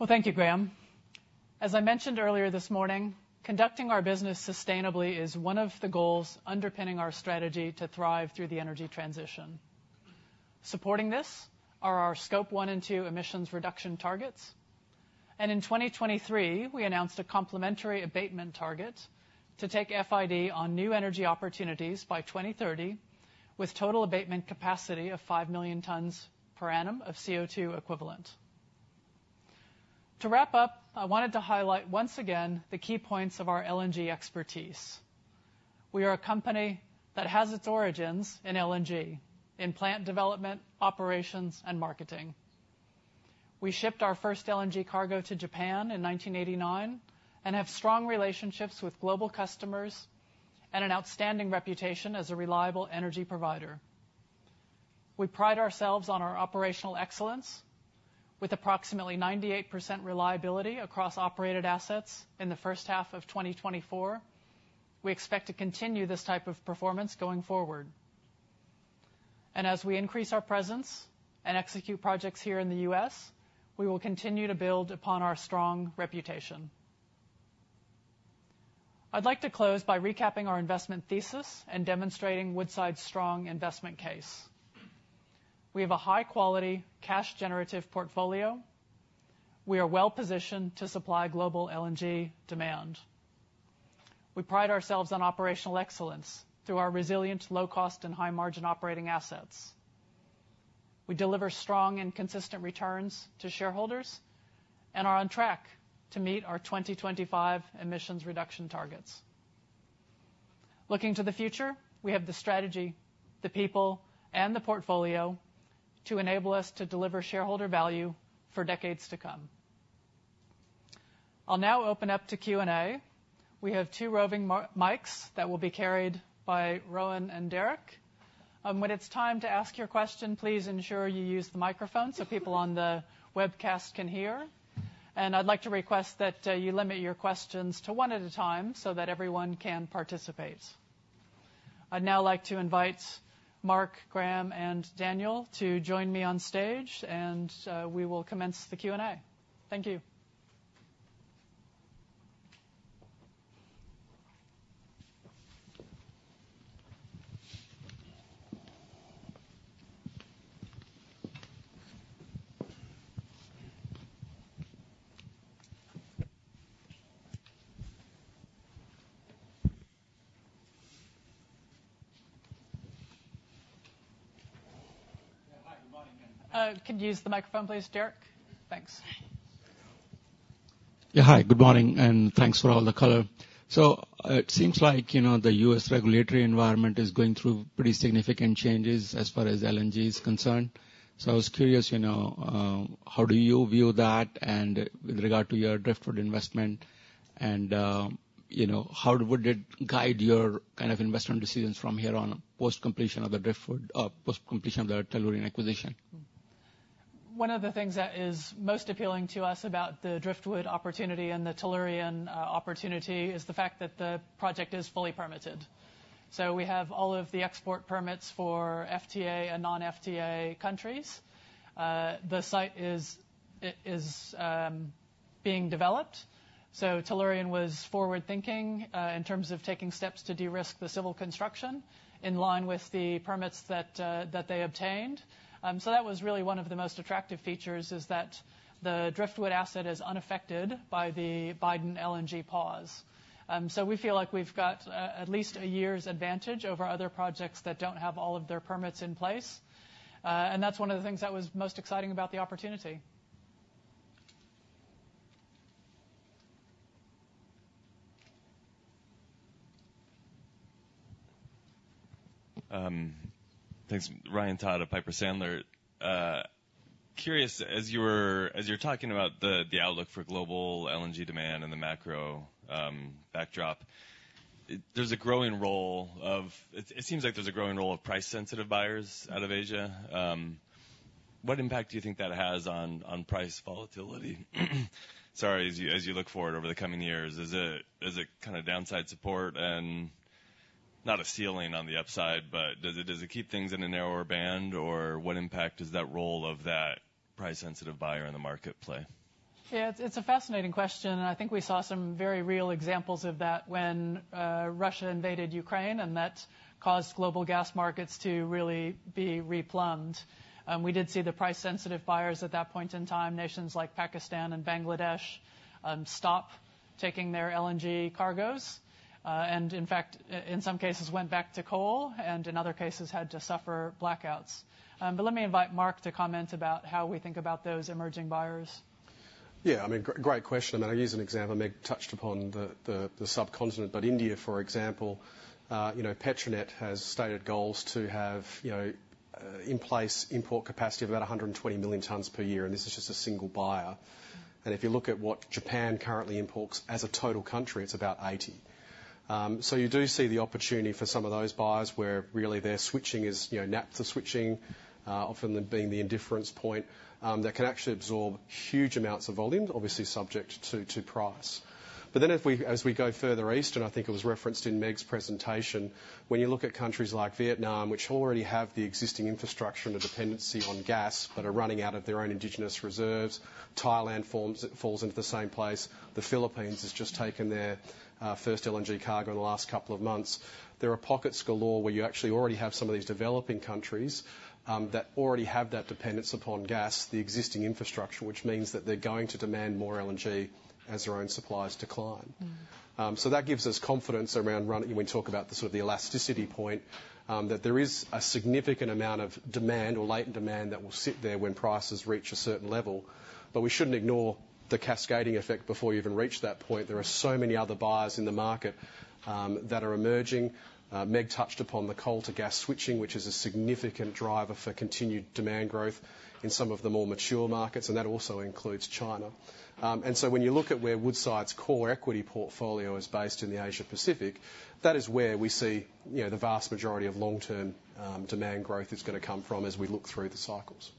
Thank you, Graham. As I mentioned earlier this morning, conducting our business sustainably is one of the goals underpinning our strategy to thrive through the energy transition. Supporting this are our Scope 1 and 2 emissions reduction targets, and in 2023, we announced a complementary abatement target to take FID on new energy opportunities by 2030, with total abatement capacity of five million tons per annum of CO₂ equivalent. To wrap up, I wanted to highlight once again the key points of our LNG expertise. We are a company that has its origins in LNG, in plant development, operations, and marketing. We shipped our first LNG cargo to Japan in 1989, and have strong relationships with global customers and an outstanding reputation as a reliable energy provider. We pride ourselves on our operational excellence with approximately 98% reliability across operated assets in the first half of 2024. We expect to continue this type of performance going forward. And as we increase our presence and execute projects here in the US, we will continue to build upon our strong reputation. I'd like to close by recapping our investment thesis and demonstrating Woodside's strong investment case. We have a high-quality, cash-generative portfolio. We are well-positioned to supply global LNG demand. We pride ourselves on operational excellence through our resilient, low cost, and high-margin operating assets. We deliver strong and consistent returns to shareholders and are on track to meet our 2025 emissions reduction targets. Looking to the future, we have the strategy, the people, and the portfolio to enable us to deliver shareholder value for decades to come. I'll now open up to Q&A. We have two roving mics that will be carried by Rowan and Derek. When it's time to ask your question, please ensure you use the microphone so people on the webcast can hear. I'd like to request that you limit your questions to one at a time so that everyone can participate. I'd now like to invite Mark, Graham, and Daniel to join me on stage, and we will commence the Q&A. Thank you. Could you use the microphone, please, Derek? Thanks. Yeah, hi, good morning, and thanks for all the color. So it seems like, you know, the U.S. regulatory environment is going through pretty significant changes as far as LNG is concerned. So I was curious, you know, how do you view that, and with regard to your Driftwood investment, and, you know, how would it guide your kind of investment decisions from here on, post-completion of the Driftwood, post-completion of the Tellurian acquisition? One of the things that is most appealing to us about the Driftwood opportunity and the Tellurian opportunity is the fact that the project is fully permitted. So we have all of the export permits for FTA and non-FTA countries. The site is being developed, so Tellurian was forward-thinking in terms of taking steps to de-risk the civil construction in line with the permits that they obtained. So that was really one of the most attractive features, is that the Driftwood asset is unaffected by the Biden LNG pause. So we feel like we've got at least a year's advantage over other projects that don't have all of their permits in place. And that's one of the things that was most exciting about the opportunity. Thanks. Ryan Todd of Piper Sandler. Curious, as you were, as you're talking about the outlook for global LNG demand and the macro backdrop, there's a growing role of... It seems like there's a growing role of price-sensitive buyers out of Asia. What impact do you think that has on price volatility? Sorry, as you look forward over the coming years, is it kind of downside support and not a ceiling on the upside, but does it keep things in a narrower band, or what impact does that role of that price-sensitive buyer in the market play? Yeah, it's a fascinating question, and I think we saw some very real examples of that when Russia invaded Ukraine, and that caused global gas markets to really be replumbed. We did see the price-sensitive buyers at that point in time, nations like Pakistan and Bangladesh, stop taking their LNG cargoes, and in fact, in some cases went back to coal, and in other cases, had to suffer blackouts. But let me invite Mark to comment about how we think about those emerging buyers. Yeah, I mean, great, great question. I mean, I use an example. Meg touched upon the subcontinent, but India, for example, you know, Petronet has stated goals to have, you know, in place import capacity of about 120 million tons per year, and this is just a single buyer. And if you look at what Japan currently imports as a total country, it's about 80. So you do see the opportunity for some of those buyers where really their switching is, you know, at the switching, more often than being the indifference point, that can actually absorb huge amounts of volume, obviously subject to price. But then as we go further east, and I think it was referenced in Meg's presentation, when you look at countries like Vietnam, which already have the existing infrastructure and a dependency on gas but are running out of their own indigenous reserves, Thailand falls into the same place. The Philippines has just taken their first LNG cargo in the last couple of months. There are pockets galore where you actually already have some of these developing countries that already have that dependence upon gas, the existing infrastructure, which means that they're going to demand more LNG as their own supplies decline. So that gives us confidence around running, when we talk about the sort of elasticity point, that there is a significant amount of demand or latent demand that will sit there when prices reach a certain level. But we shouldn't ignore the cascading effect before you even reach that point. There are so many other buyers in the market that are emerging. Meg touched upon the coal to gas switching, which is a significant driver for continued demand growth in some of the more mature markets, and that also includes China, and so when you look at where Woodside's core equity portfolio is based in the Asia Pacific, that is where we see, you know, the vast majority of long-term demand growth is gonna come from as we look through the cycles.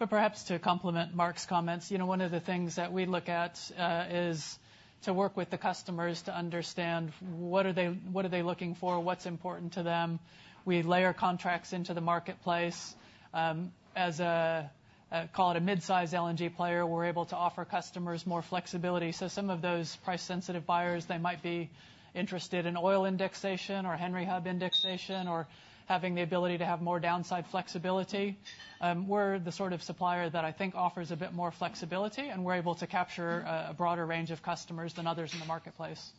But perhaps to complement Mark's comments, you know, one of the things that we look at is to work with the customers to understand what are they looking for, what's important to them. We layer contracts into the marketplace. As a call it a mid-size LNG player, we're able to offer customers more flexibility. So some of those price-sensitive buyers, they might be interested in oil indexation or Henry Hub indexation or having the ability to have more downside flexibility. We're the sort of supplier that I think offers a bit more flexibility, and we're able to capture a broader range of customers than others in the marketplace.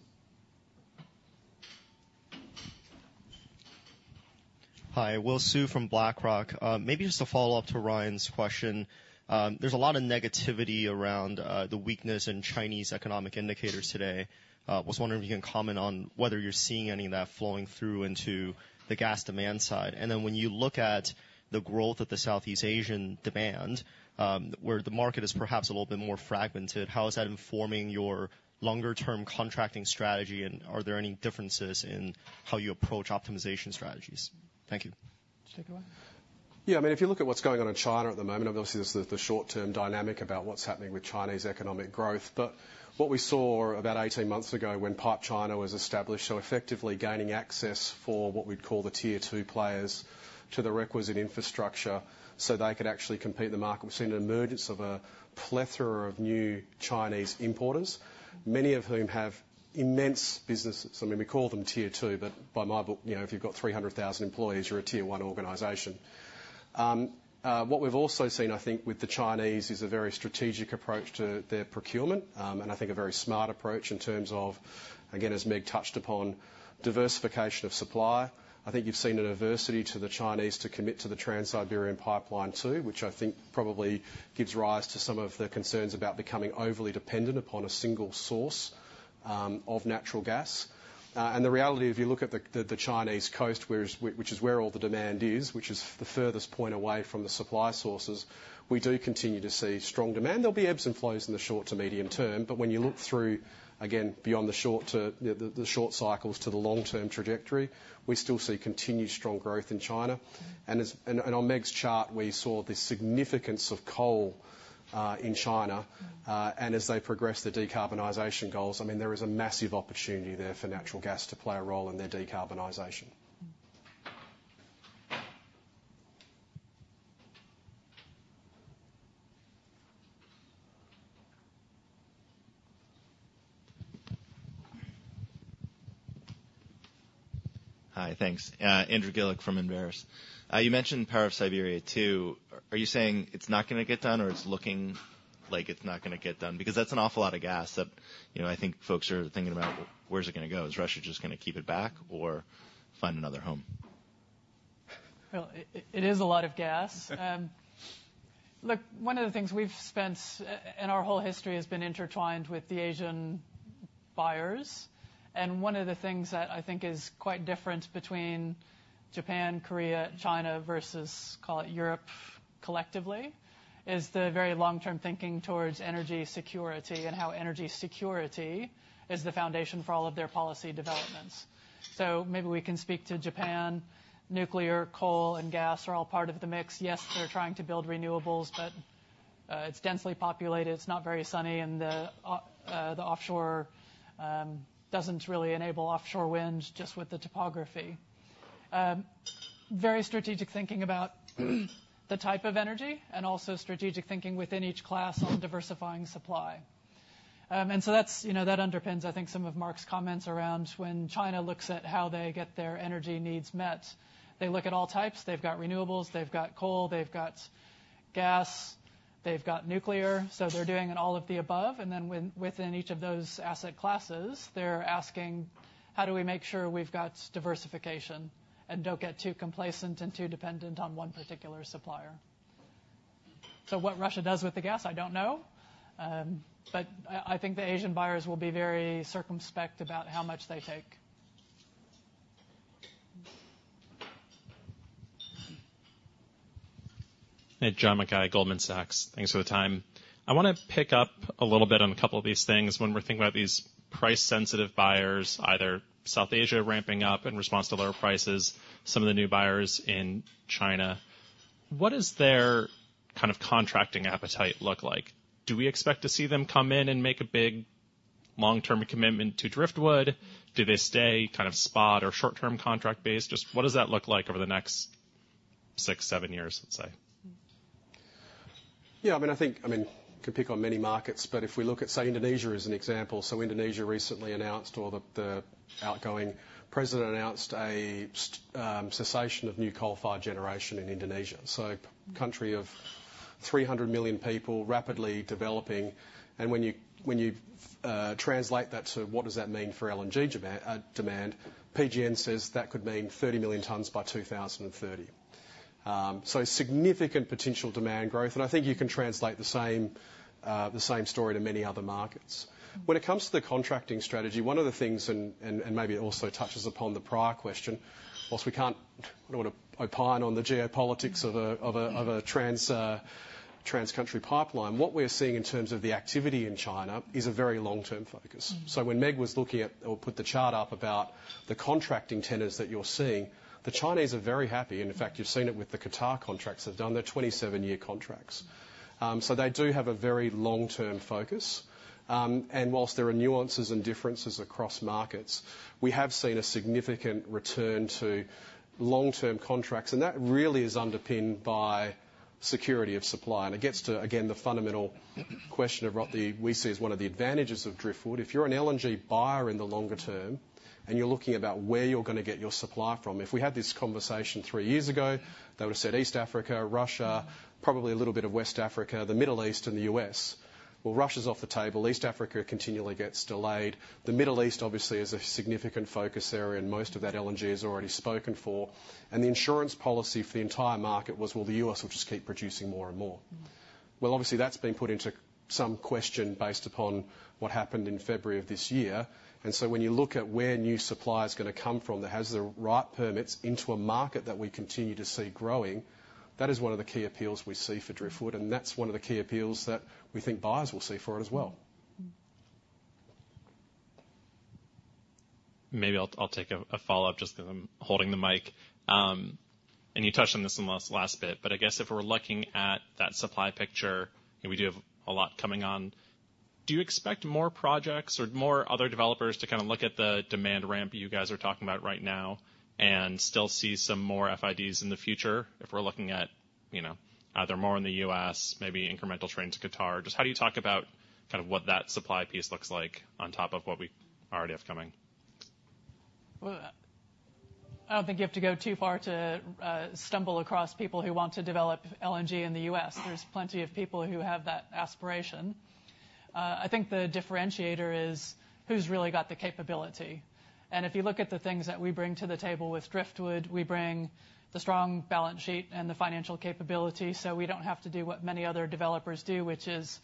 Hi, Will Su from BlackRock. Maybe just a follow-up to Ryan's question. There's a lot of negativity around the weakness in Chinese economic indicators today. Was wondering if you can comment on whether you're seeing any of that flowing through into the gas demand side. And then when you look at the growth of the Southeast Asian demand, where the market is perhaps a little bit more fragmented, how is that informing your longer-term contracting strategy, and are there any differences in how you approach optimization strategies? Thank you. Take it away. Yeah, I mean, if you look at what's going on in China at the moment, obviously, this is the short-term dynamic about what's happening with Chinese economic growth. But what we saw about eighteen months ago when PipeChina was established, so effectively gaining access for what we'd call the tier two players to the requisite infrastructure so they could actually compete in the market. We've seen an emergence of a plethora of new Chinese importers, many of whom have immense businesses. I mean, we call them tier two, but by my book, you know, if you've got three hundred thousand employees, you're a tier one organization. What we've also seen, I think, with the Chinese, is a very strategic approach to their procurement, and I think a very smart approach in terms of, again, as Meg touched upon, diversification of supply. I think you've seen an aversion of the Chinese to commit to the Power of Siberia 2, too, which I think probably gives rise to some of the concerns about becoming overly dependent upon a single source of natural gas. And the reality, if you look at the Chinese coast, which is where all the demand is, which is the furthest point away from the supply sources, we do continue to see strong demand. There'll be ebbs and flows in the short to medium term, but when you look through, again, beyond the short cycles to the long-term trajectory, we still see continued strong growth in China. And on Meg's chart, we saw the significance of coal in China. As they progress the decarbonization goals, I mean, there is a massive opportunity there for natural gas to play a role in their decarbonization. Hi, thanks. Andrew Gillick from Enverus. You mentioned Power of Siberia 2. Are you saying it's not gonna get done, or it's looking like it's not gonna get done? Because that's an awful lot of gas that, you know, I think folks are thinking about, where's it gonna go? Is Russia just gonna keep it back or find another home? It is a lot of gas. Look, one of the things we've spent and our whole history has been intertwined with the Asian buyers. One of the things that I think is quite different between Japan, Korea, China, versus, call it Europe collectively, is the very long-term thinking towards energy security and how energy security is the foundation for all of their policy developments. Maybe we can speak to Japan. Nuclear, coal, and gas are all part of the mix. Yes, they're trying to build renewables, but it's densely populated, it's not very sunny, and the offshore doesn't really enable offshore wind just with the topography. Very strategic thinking about the type of energy and also strategic thinking within each class on diversifying supply. And so that's, you know, that underpins, I think, some of Mark's comments around when China looks at how they get their energy needs met. They look at all types. They've got renewables, they've got coal, they've got gas, they've got nuclear, so they're doing an all of the above. And then within each of those asset classes, they're asking: How do we make sure we've got diversification and don't get too complacent and too dependent on one particular supplier? So what Russia does with the gas, I don't know. But I think the Asian buyers will be very circumspect about how much they take. Hey, John Mackay, Goldman Sachs. Thanks for the time. I want to pick up a little bit on a couple of these things. When we're thinking about these price-sensitive buyers, either South Asia ramping up in response to lower prices, some of the new buyers in China, what is their kind of contracting appetite look like? Do we expect to see them come in and make a big long-term commitment to Driftwood? Do they stay kind of spot or short-term contract based? Just what does that look like over the next six, seven years, let's say? Yeah, I mean, I think, I mean, you could pick on many markets, but if we look at, say, Indonesia as an example. So Indonesia recently announced, or the outgoing president announced a cessation of new coal-fired generation in Indonesia. So country of 300 million people, rapidly developing. And when you translate that to what does that mean for LNG demand, PGN says that could mean 30 million tons by 2030. So significant potential demand growth, and I think you can translate the same story to many other markets. When it comes to the contracting strategy, one of the things, and maybe it also touches upon the prior question, whilst we can't... I don't want to opine on the geopolitics of a trans-country pipeline. What we're seeing in terms of the activity in China is a very long-term focus. So when Meg was looking at, or put the chart up about the contracting tenders that you're seeing, the Chinese are very happy, and in fact, you've seen it with the Qatar contracts they've done, they're 27-year contracts. So they do have a very long-term focus. And while there are nuances and differences across markets, we have seen a significant return to long-term contracts, and that really is underpinned by security of supply. And it gets to, again, the fundamental question of what we see as one of the advantages of Driftwood. If you're an LNG buyer in the longer term, and you're looking about where you're gonna get your supply from, if we had this conversation three years ago, they would have said East Africa, Russia, probably a little bit of West Africa, the Middle East, and the US. Well, Russia's off the table. East Africa continually gets delayed. The Middle East, obviously, is a significant focus area, and most of that LNG is already spoken for. And the insurance policy for the entire market was, well, the U.S. will just keep producing more and more. Obviously, that's been put into some question based upon what happened in February of this year. When you look at where new supply is gonna come from, that has the right permits into a market that we continue to see growing, that is one of the key appeals we see for Driftwood, and that's one of the key appeals that we think buyers will see for it as well. Maybe I'll take a follow-up just because I'm holding the mic. And you touched on this in the last bit, but I guess if we're looking at that supply picture, and we do have a lot coming on, do you expect more projects or more other developers to kind of look at the demand ramp you guys are talking about right now and still see some more FIDs in the future? If we're looking at, you know, either more in the U.S., maybe incremental train to Qatar, just how do you talk about kind of what that supply piece looks like on top of what we already have coming? I don't think you have to go too far to stumble across people who want to develop LNG in the U.S. There's plenty of people who have that aspiration. I think the differentiator is who's really got the capability. And if you look at the things that we bring to the table with Driftwood, we bring the strong balance sheet and the financial capability, so we don't have to do what many other developers do, which is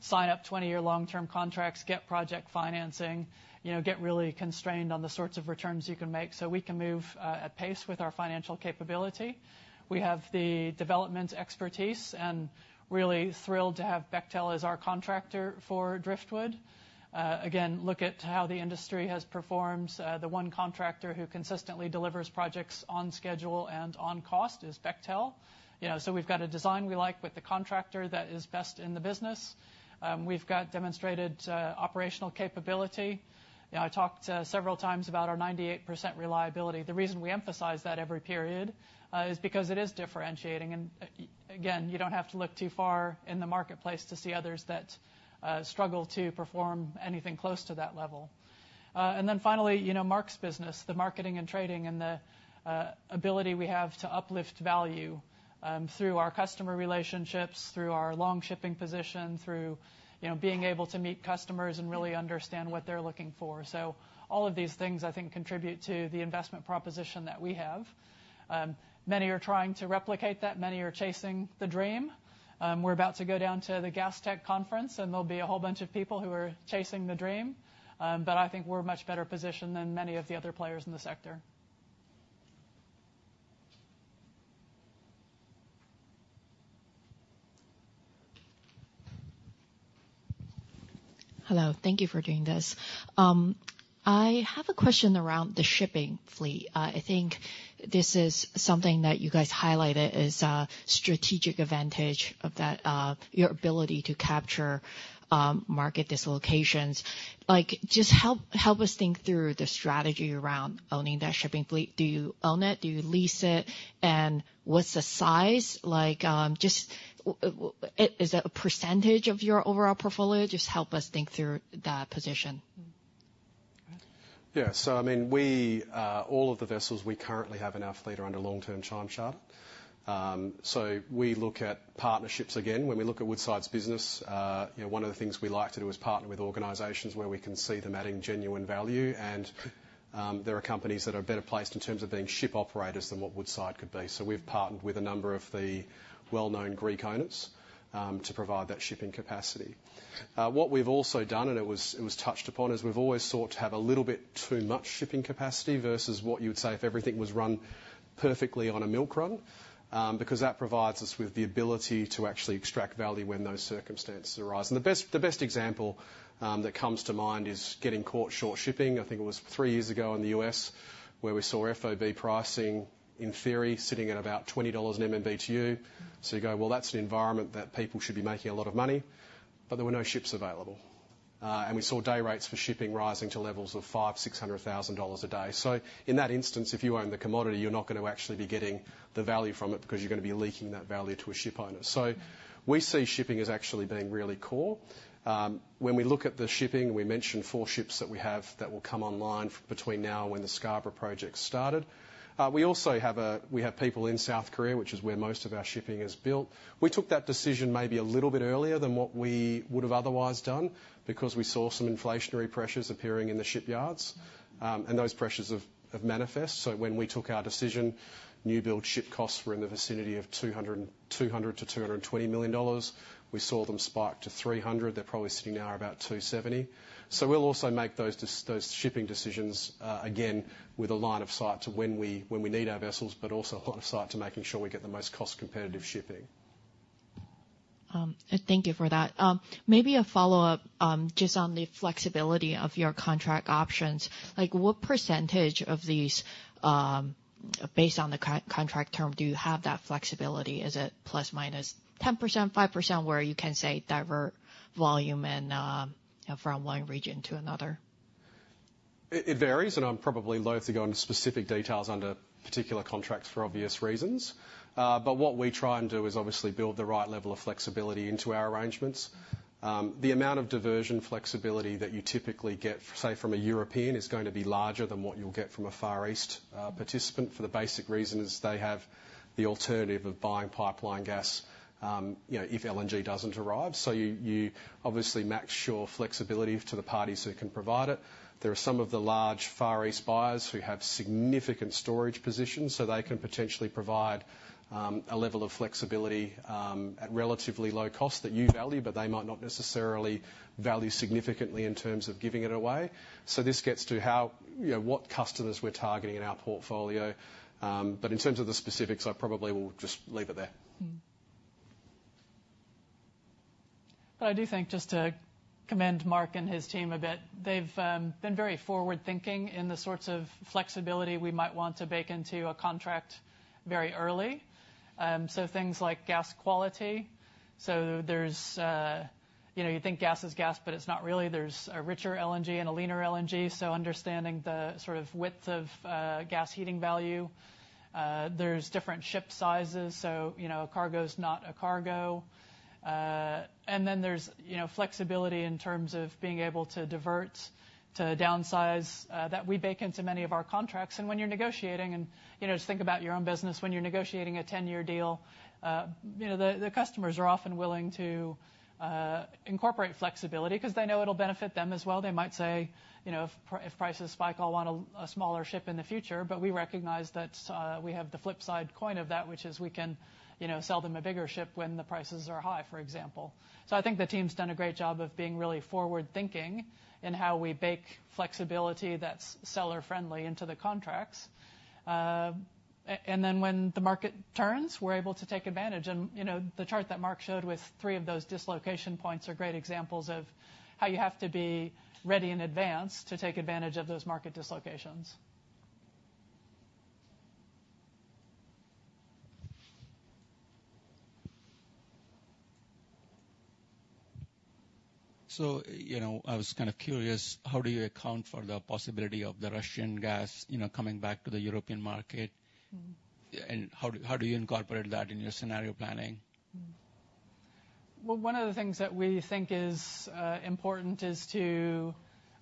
sign up twenty-year long-term contracts, get project financing, you know, get really constrained on the sorts of returns you can make. So we can move at pace with our financial capability. We have the development expertise, and really thrilled to have Bechtel as our contractor for Driftwood. Again, look at how the industry has performed. The one contractor who consistently delivers projects on schedule and on cost is Bechtel. You know, so we've got a design we like with the contractor that is best in the business. We've got demonstrated operational capability. You know, I talked several times about our 98% reliability. The reason we emphasize that every period is because it is differentiating. And again, you don't have to look too far in the marketplace to see others that struggle to perform anything close to that level. And then finally, you know, Mark's business, the marketing and trading and the ability we have to uplift value through our customer relationships, through our long shipping position, through, you know, being able to meet customers and really understand what they're looking for. So all of these things, I think, contribute to the investment proposition that we have. Many are trying to replicate that. Many are chasing the dream. We're about to go down to the Gastech Conference, and there'll be a whole bunch of people who are chasing the dream, but I think we're much better positioned than many of the other players in the sector. Hello, thank you for doing this. I have a question around the shipping fleet. I think this is something that you guys highlighted as a strategic advantage of that, your ability to capture, market dislocations. Like, just help, help us think through the strategy around owning that shipping fleet. Do you own it? Do you lease it? And what's the size like? Just is it a percentage of your overall portfolio? Just help us think through that position. Yeah, so I mean, we, all of the vessels we currently have in our fleet are under long-term time charter, so we look at partnerships again. When we look at Woodside's business, you know, one of the things we like to do is partner with organizations where we can see them adding genuine value. And there are companies that are better placed in terms of being ship operators than what Woodside could be, so we've partnered with a number of the well-known Greek owners to provide that shipping capacity. What we've also done, and it was touched upon, is we've always sought to have a little bit too much shipping capacity versus what you would say if everything was run perfectly on a milk run. Because that provides us with the ability to actually extract value when those circumstances arise. The best example that comes to mind is getting caught short shipping. I think it was three years ago in the US, where we saw FOB pricing, in theory, sitting at about $20/MMBtu. So you go, "Well, that's an environment that people should be making a lot of money," but there were no ships available. And we saw day rates for shipping rising to levels of $500,000-$600,000 a day. So in that instance, if you own the commodity, you're not going to actually be getting the value from it, because you're going to be leaking that value to a ship owner. So we see shipping as actually being really core. When we look at the shipping, we mentioned four ships that we have that will come online between now and when the Scarborough project started. We also have people in South Korea, which is where most of our shipping is built. We took that decision maybe a little bit earlier than what we would have otherwise done because we saw some inflationary pressures appearing in the shipyards, and those pressures have manifest. So when we took our decision, new build ship costs were in the vicinity of $200-$220 million. We saw them spike to $300 million. They're probably sitting now at about $270 million. So we'll also make those shipping decisions, again, with a line of sight to when we need our vessels, but also a line of sight to making sure we get the most cost-competitive shipping. Thank you for that. Maybe a follow-up, just on the flexibility of your contract options. Like, what percentage of these, based on the contract term, do you have that flexibility? Is it plus or minus 10%, 5%, where you can say, divert volume and from one region to another? It varies, and I'm probably loath to go into specific details under particular contracts for obvious reasons. But what we try and do is obviously build the right level of flexibility into our arrangements. The amount of diversion flexibility that you typically get, say, from a European, is going to be larger than what you'll get from a Far East participant, for the basic reason is they have the alternative of buying pipeline gas, you know, if LNG doesn't arrive. So you obviously match your flexibility to the parties who can provide it. There are some of the large Far East buyers who have significant storage positions, so they can potentially provide a level of flexibility at relatively low cost that you value, but they might not necessarily value significantly in terms of giving it away. So this gets to how, you know, what customers we're targeting in our portfolio. But in terms of the specifics, I probably will just leave it there. But I do think, just to commend Mark and his team a bit, they've been very forward-thinking in the sorts of flexibility we might want to bake into a contract very early. So things like gas quality. So there's... You know, you think gas is gas, but it's not really. There's a richer LNG and a leaner LNG, so understanding the sort of width of gas heating value. There's different ship sizes, so, you know, a cargo is not a cargo. And then there's, you know, flexibility in terms of being able to divert, to downsize that we bake into many of our contracts. And when you're negotiating and, you know, just think about your own business. When you're negotiating a ten-year deal, you know, the customers are often willing to incorporate flexibility because they know it'll benefit them as well. They might say, you know, "If prices spike, I'll want a smaller ship in the future." But we recognize that, we have the flip side coin of that, which is we can, you know, sell them a bigger ship when the prices are high, for example. So I think the team's done a great job of being really forward-thinking in how we bake flexibility that's seller-friendly into the contracts. And then when the market turns, we're able to take advantage. And, you know, the chart that Mark showed with three of those dislocation points are great examples of how you have to be ready in advance to take advantage of those market dislocations. So, you know, I was kind of curious, how do you account for the possibility of the Russian gas, you know, coming back to the European market? How do you incorporate that in your scenario planning? One of the things that we think is important is to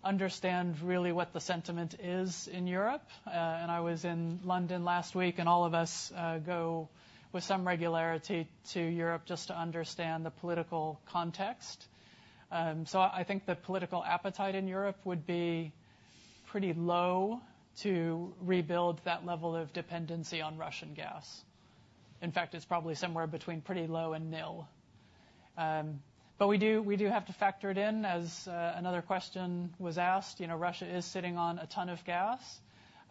understand really what the sentiment is in Europe. I was in London last week, and all of us go with some regularity to Europe just to understand the political context. I think the political appetite in Europe would be pretty low to rebuild that level of dependency on Russian gas. In fact, it's probably somewhere between pretty low and nil. We do have to factor it in, as another question was asked. You know, Russia is sitting on a ton of gas,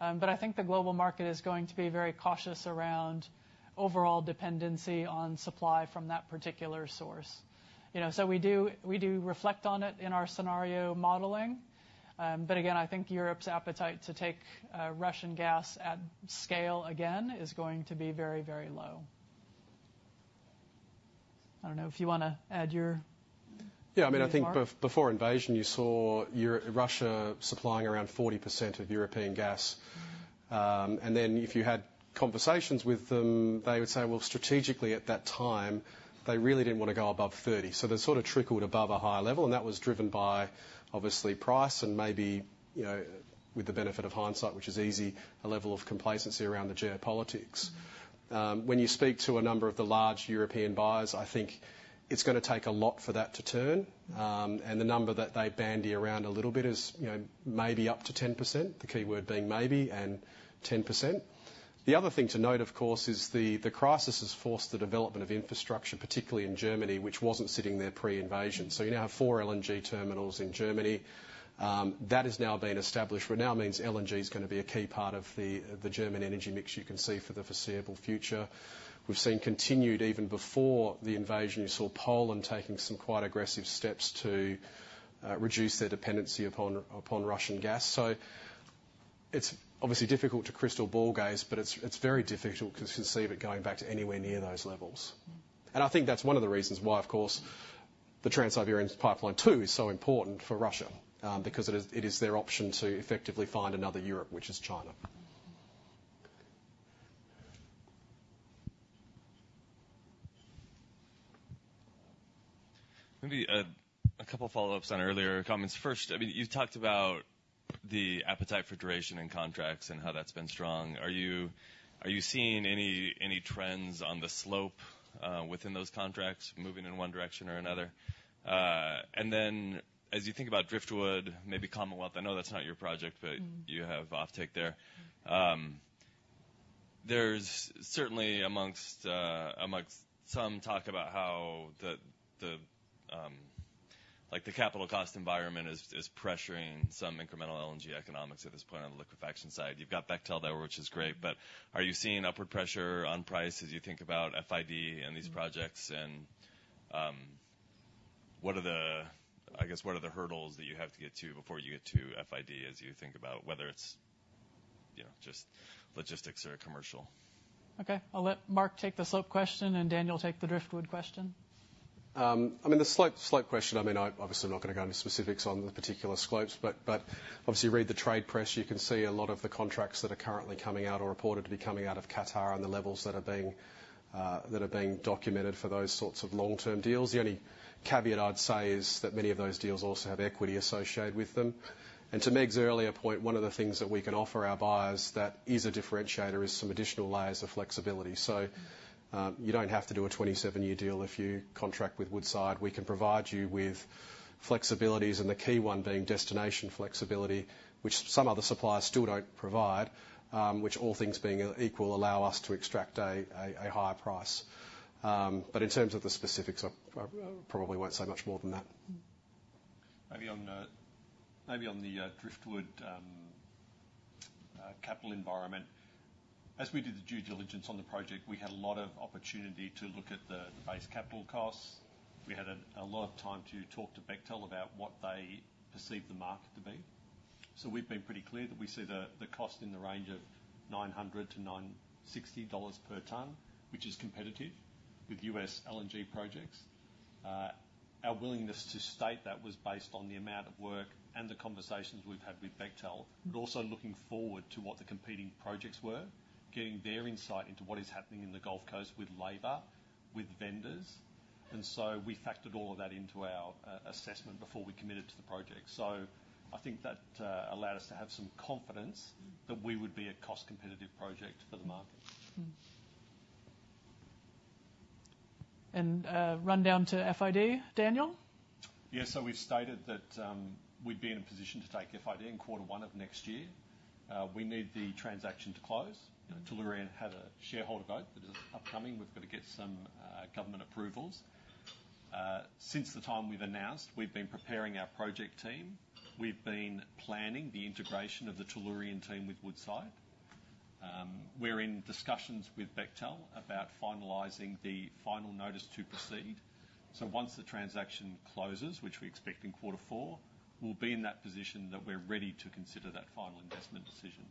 but I think the global market is going to be very cautious around overall dependency on supply from that particular source. You know, we do reflect on it in our scenario modeling. But again, I think Europe's appetite to take Russian gas at scale again is going to be very, very low. I don't know if you want to add your- Yeah, I mean, I think- Mark Before invasion, you saw Europe-Russia supplying around 40% of European gas. And then if you had conversations with them, they would say, well, strategically, at that time, they really didn't want to go above 30%. So they sort of trickled above a higher level, and that was driven by, obviously, price and maybe, you know, with the benefit of hindsight, which is easy, a level of complacency around the geopolitics. When you speak to a number of the large European buyers, I think it's gonna take a lot for that to turn, and the number that they bandy around a little bit is, you know, maybe up to 10%, the key word being maybe and 10%. The other thing to note, of course, is the crisis has forced the development of infrastructure, particularly in Germany, which wasn't sitting there pre-invasion. So you now have four LNG terminals in Germany. That has now been established, which now means LNG is gonna be a key part of the German energy mix you can see for the foreseeable future. We've seen continued even before the invasion, you saw Poland taking some quite aggressive steps to reduce their dependency upon Russian gas. So it's obviously difficult to crystal ball gaze, but it's very difficult to conceive it going back to anywhere near those levels. And I think that's one of the reasons why, of course, the Trans-Siberian Pipeline, too, is so important for Russia, because it is their option to effectively find another Europe, which is China. Maybe, a couple of follow-ups on earlier comments. First, I mean, you talked about the appetite for duration and contracts and how that's been strong. Are you seeing any trends on the slope within those contracts moving in one direction or another? And then as you think about Driftwood, maybe Commonwealth, I know that's not your project, but- you have offtake there. There's certainly amongst some talk about how the like the capital cost environment is pressuring some incremental LNG economics at this point on the liquefaction side. You've got Bechtel there, which is great, but are you seeing upward pressure on price as you think about FID and these projects? And what are the hurdles that you have to get to before you get to FID as you think about whether it's you know just logistics or commercial? Okay. I'll let Mark take the scope question, and Daniel take the Driftwood question. I mean, the slope question, I mean, I obviously not gonna go into specifics on the particular slopes, but obviously, you read the trade press, you can see a lot of the contracts that are currently coming out or reported to be coming out of Qatar and the levels that are being documented for those sorts of long-term deals. The only caveat I'd say is that many of those deals also have equity associated with them. And to Meg's earlier point, one of the things that we can offer our buyers that is a differentiator is some additional layers of flexibility. So, you don't have to do a twenty-seven-year deal if you contract with Woodside. We can provide you with flexibilities, and the key one being destination flexibility, which some other suppliers still don't provide, which, all things being equal, allow us to extract a higher price. But in terms of the specifics, I probably won't say much more than that. Maybe on the Driftwood capital environment. As we did the due diligence on the project, we had a lot of opportunity to look at the base capital costs. We had a lot of time to talk to Bechtel about what they perceive the market to be. So we've been pretty clear that we see the cost in the range of $900-$960 per ton, which is competitive with US LNG projects. Our willingness to state that was based on the amount of work and the conversations we've had with Bechtel, but also looking forward to what the competing projects were, getting their insight into what is happening in the Gulf Coast with labor, with vendors. And so we factored all of that into our assessment before we committed to the project. So I think that allowed us to have some confidence that we would be a cost-competitive project for the market. And, run down to FID, Daniel? Yeah, so we've stated that we'd be in a position to take FID in quarter one of next year. We need the transaction to close. Tellurian had a shareholder vote that is upcoming. We've got to get some government approvals. Since the time we've announced, we've been preparing our project team. We've been planning the integration of the Tellurian team with Woodside. We're in discussions with Bechtel about finalizing the final notice to proceed. So once the transaction closes, which we expect in quarter four, we'll be in that position that we're ready to consider that final investment decision.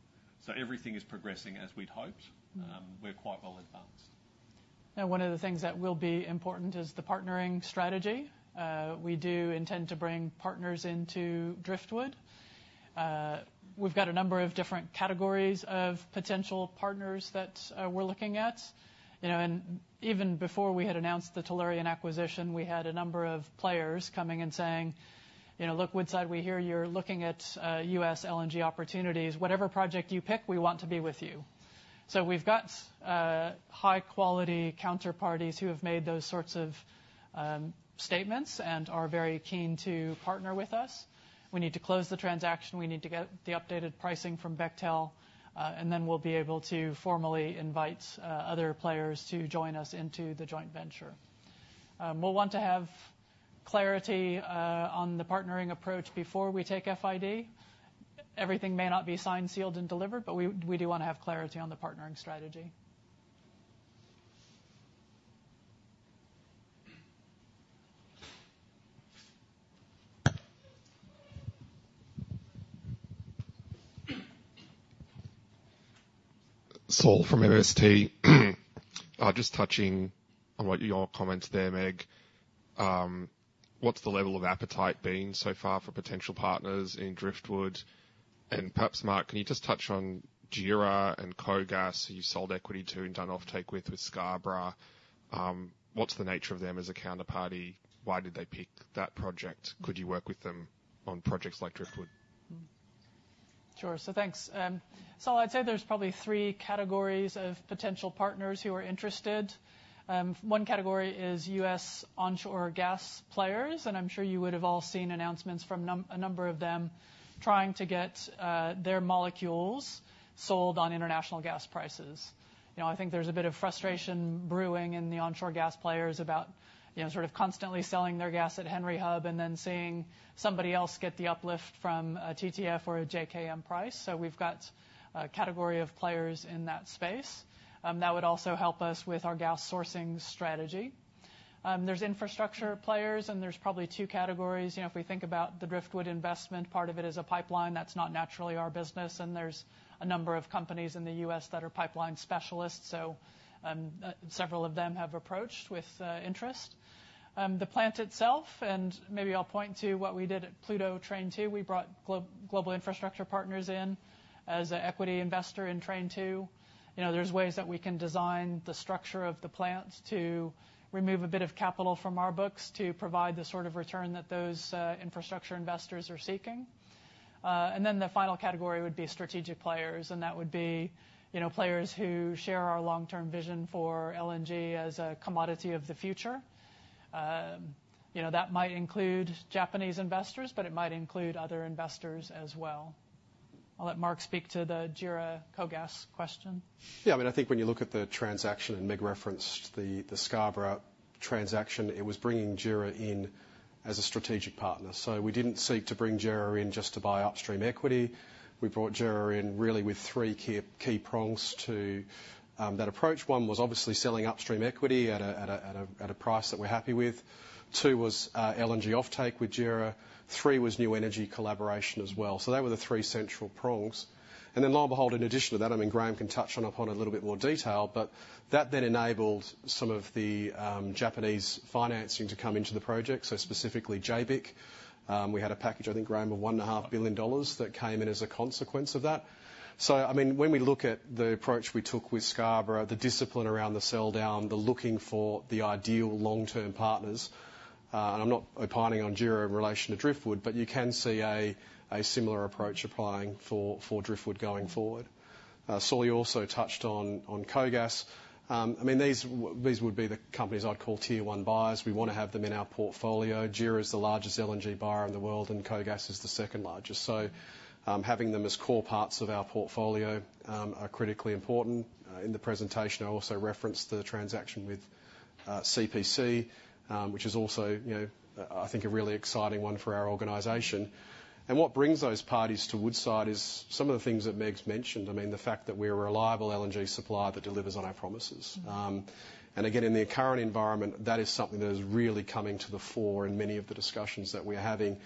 So everything is progressing as we'd hoped. We're quite well advanced. Now, one of the things that will be important is the partnering strategy. We do intend to bring partners into Driftwood. We've got a number of different categories of potential partners that, we're looking at. You know, and even before we had announced the Tellurian acquisition, we had a number of players coming and saying, "You know, look, Woodside, we hear you're looking at US LNG opportunities. Whatever project you pick, we want to be with you." So we've got high-quality counterparties who have made those sorts of statements and are very keen to partner with us. We need to close the transaction, we need to get the updated pricing from Bechtel, and then we'll be able to formally invite other players to join us into the joint venture. We'll want to have clarity on the partnering approach before we take FID. Everything may not be signed, sealed, and delivered, but we do want to have clarity on the partnering strategy. Saul from MST. Just touching on what your comments there, Meg, what's the level of appetite been so far for potential partners in Driftwood? And perhaps, Mark, can you just touch on JERA and KOGAS, who you sold equity to and done offtake with, with Scarborough. What's the nature of them as a counterparty? Why did they pick that project? Could you work with them on projects like Driftwood? Sure. So thanks. Saul, I'd say there's probably three categories of potential partners who are interested. One category is U.S. onshore gas players, and I'm sure you would have all seen announcements from a number of them, trying to get their molecules sold on international gas prices. You know, I think there's a bit of frustration brewing in the onshore gas players about, you know, sort of constantly selling their gas at Henry Hub, and then seeing somebody else get the uplift from a TTF or a JKM price. So we've got a category of players in that space. That would also help us with our gas sourcing strategy. There's infrastructure players, and there's probably two categories. You know, if we think about the Driftwood investment, part of it is a pipeline that's not naturally our business, and there's a number of companies in the U.S. that are pipeline specialists, so several of them have approached with interest. The plant itself, and maybe I'll point to what we did at Pluto Train 2, we brought Global Infrastructure Partners in as an equity investor in Train Two. You know, there's ways that we can design the structure of the plant to remove a bit of capital from our books to provide the sort of return that those infrastructure investors are seeking. And then the final category would be strategic players, and that would be, you know, players who share our long-term vision for LNG as a commodity of the future. You know, that might include Japanese investors, but it might include other investors as well. I'll let Mark speak to the JERA KOGAS question. Yeah, I mean, I think when you look at the transaction, and Meg referenced the Scarborough transaction, it was bringing JERA in as a strategic partner. So we didn't seek to bring JERA in just to buy upstream equity. We brought JERA in really with three key prongs to that approach. One was obviously selling upstream equity at a price that we're happy with. Two was LNG offtake with JERA. Three was new energy collaboration as well. So they were the three central prongs. And then lo and behold, in addition to that, I mean, Graham can touch on a little bit more detail, but that then enabled some of the Japanese financing to come into the project, so specifically JBIC. We had a package, I think, Graham, of $1.5 billion that came in as a consequence of that. So, I mean, when we look at the approach we took with Scarborough, the discipline around the sell-down, the looking for the ideal long-term partners, and I'm not opining on JERA in relation to Driftwood, but you can see a similar approach applying for Driftwood going forward. Saul, you also touched on KOGAS. I mean, these would be the companies I'd call tier one buyers. We want to have them in our portfolio. JERA is the largest LNG buyer in the world, and KOGAS is the second largest. So, having them as core parts of our portfolio are critically important. In the presentation, I also referenced the transaction with CPC, which is also, you know, I think a really exciting one for our organization. And what brings those parties to Woodside is some of the things that Meg's mentioned. I mean, the fact that we're a reliable LNG supplier that delivers on our promises. And again, in the current environment, that is something that is really coming to the fore in many of the discussions that we're having.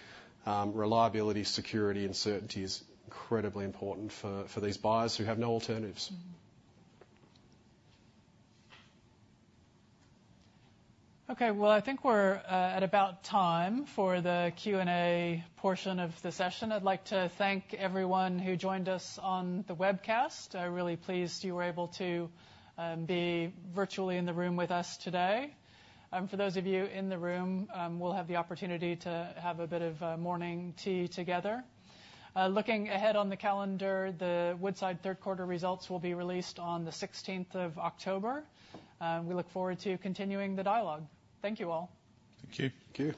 Reliability, security, and certainty is incredibly important for these buyers who have no alternatives. Okay, well, I think we're at about time for the Q&A portion of the session. I'd like to thank everyone who joined us on the webcast. I'm really pleased you were able to be virtually in the room with us today. For those of you in the room, we'll have the opportunity to have a bit of morning tea together. Looking ahead on the calendar, the Woodside third quarter results will be released on the sixteenth of October. We look forward to continuing the dialogue. Thank you, all. Thank you.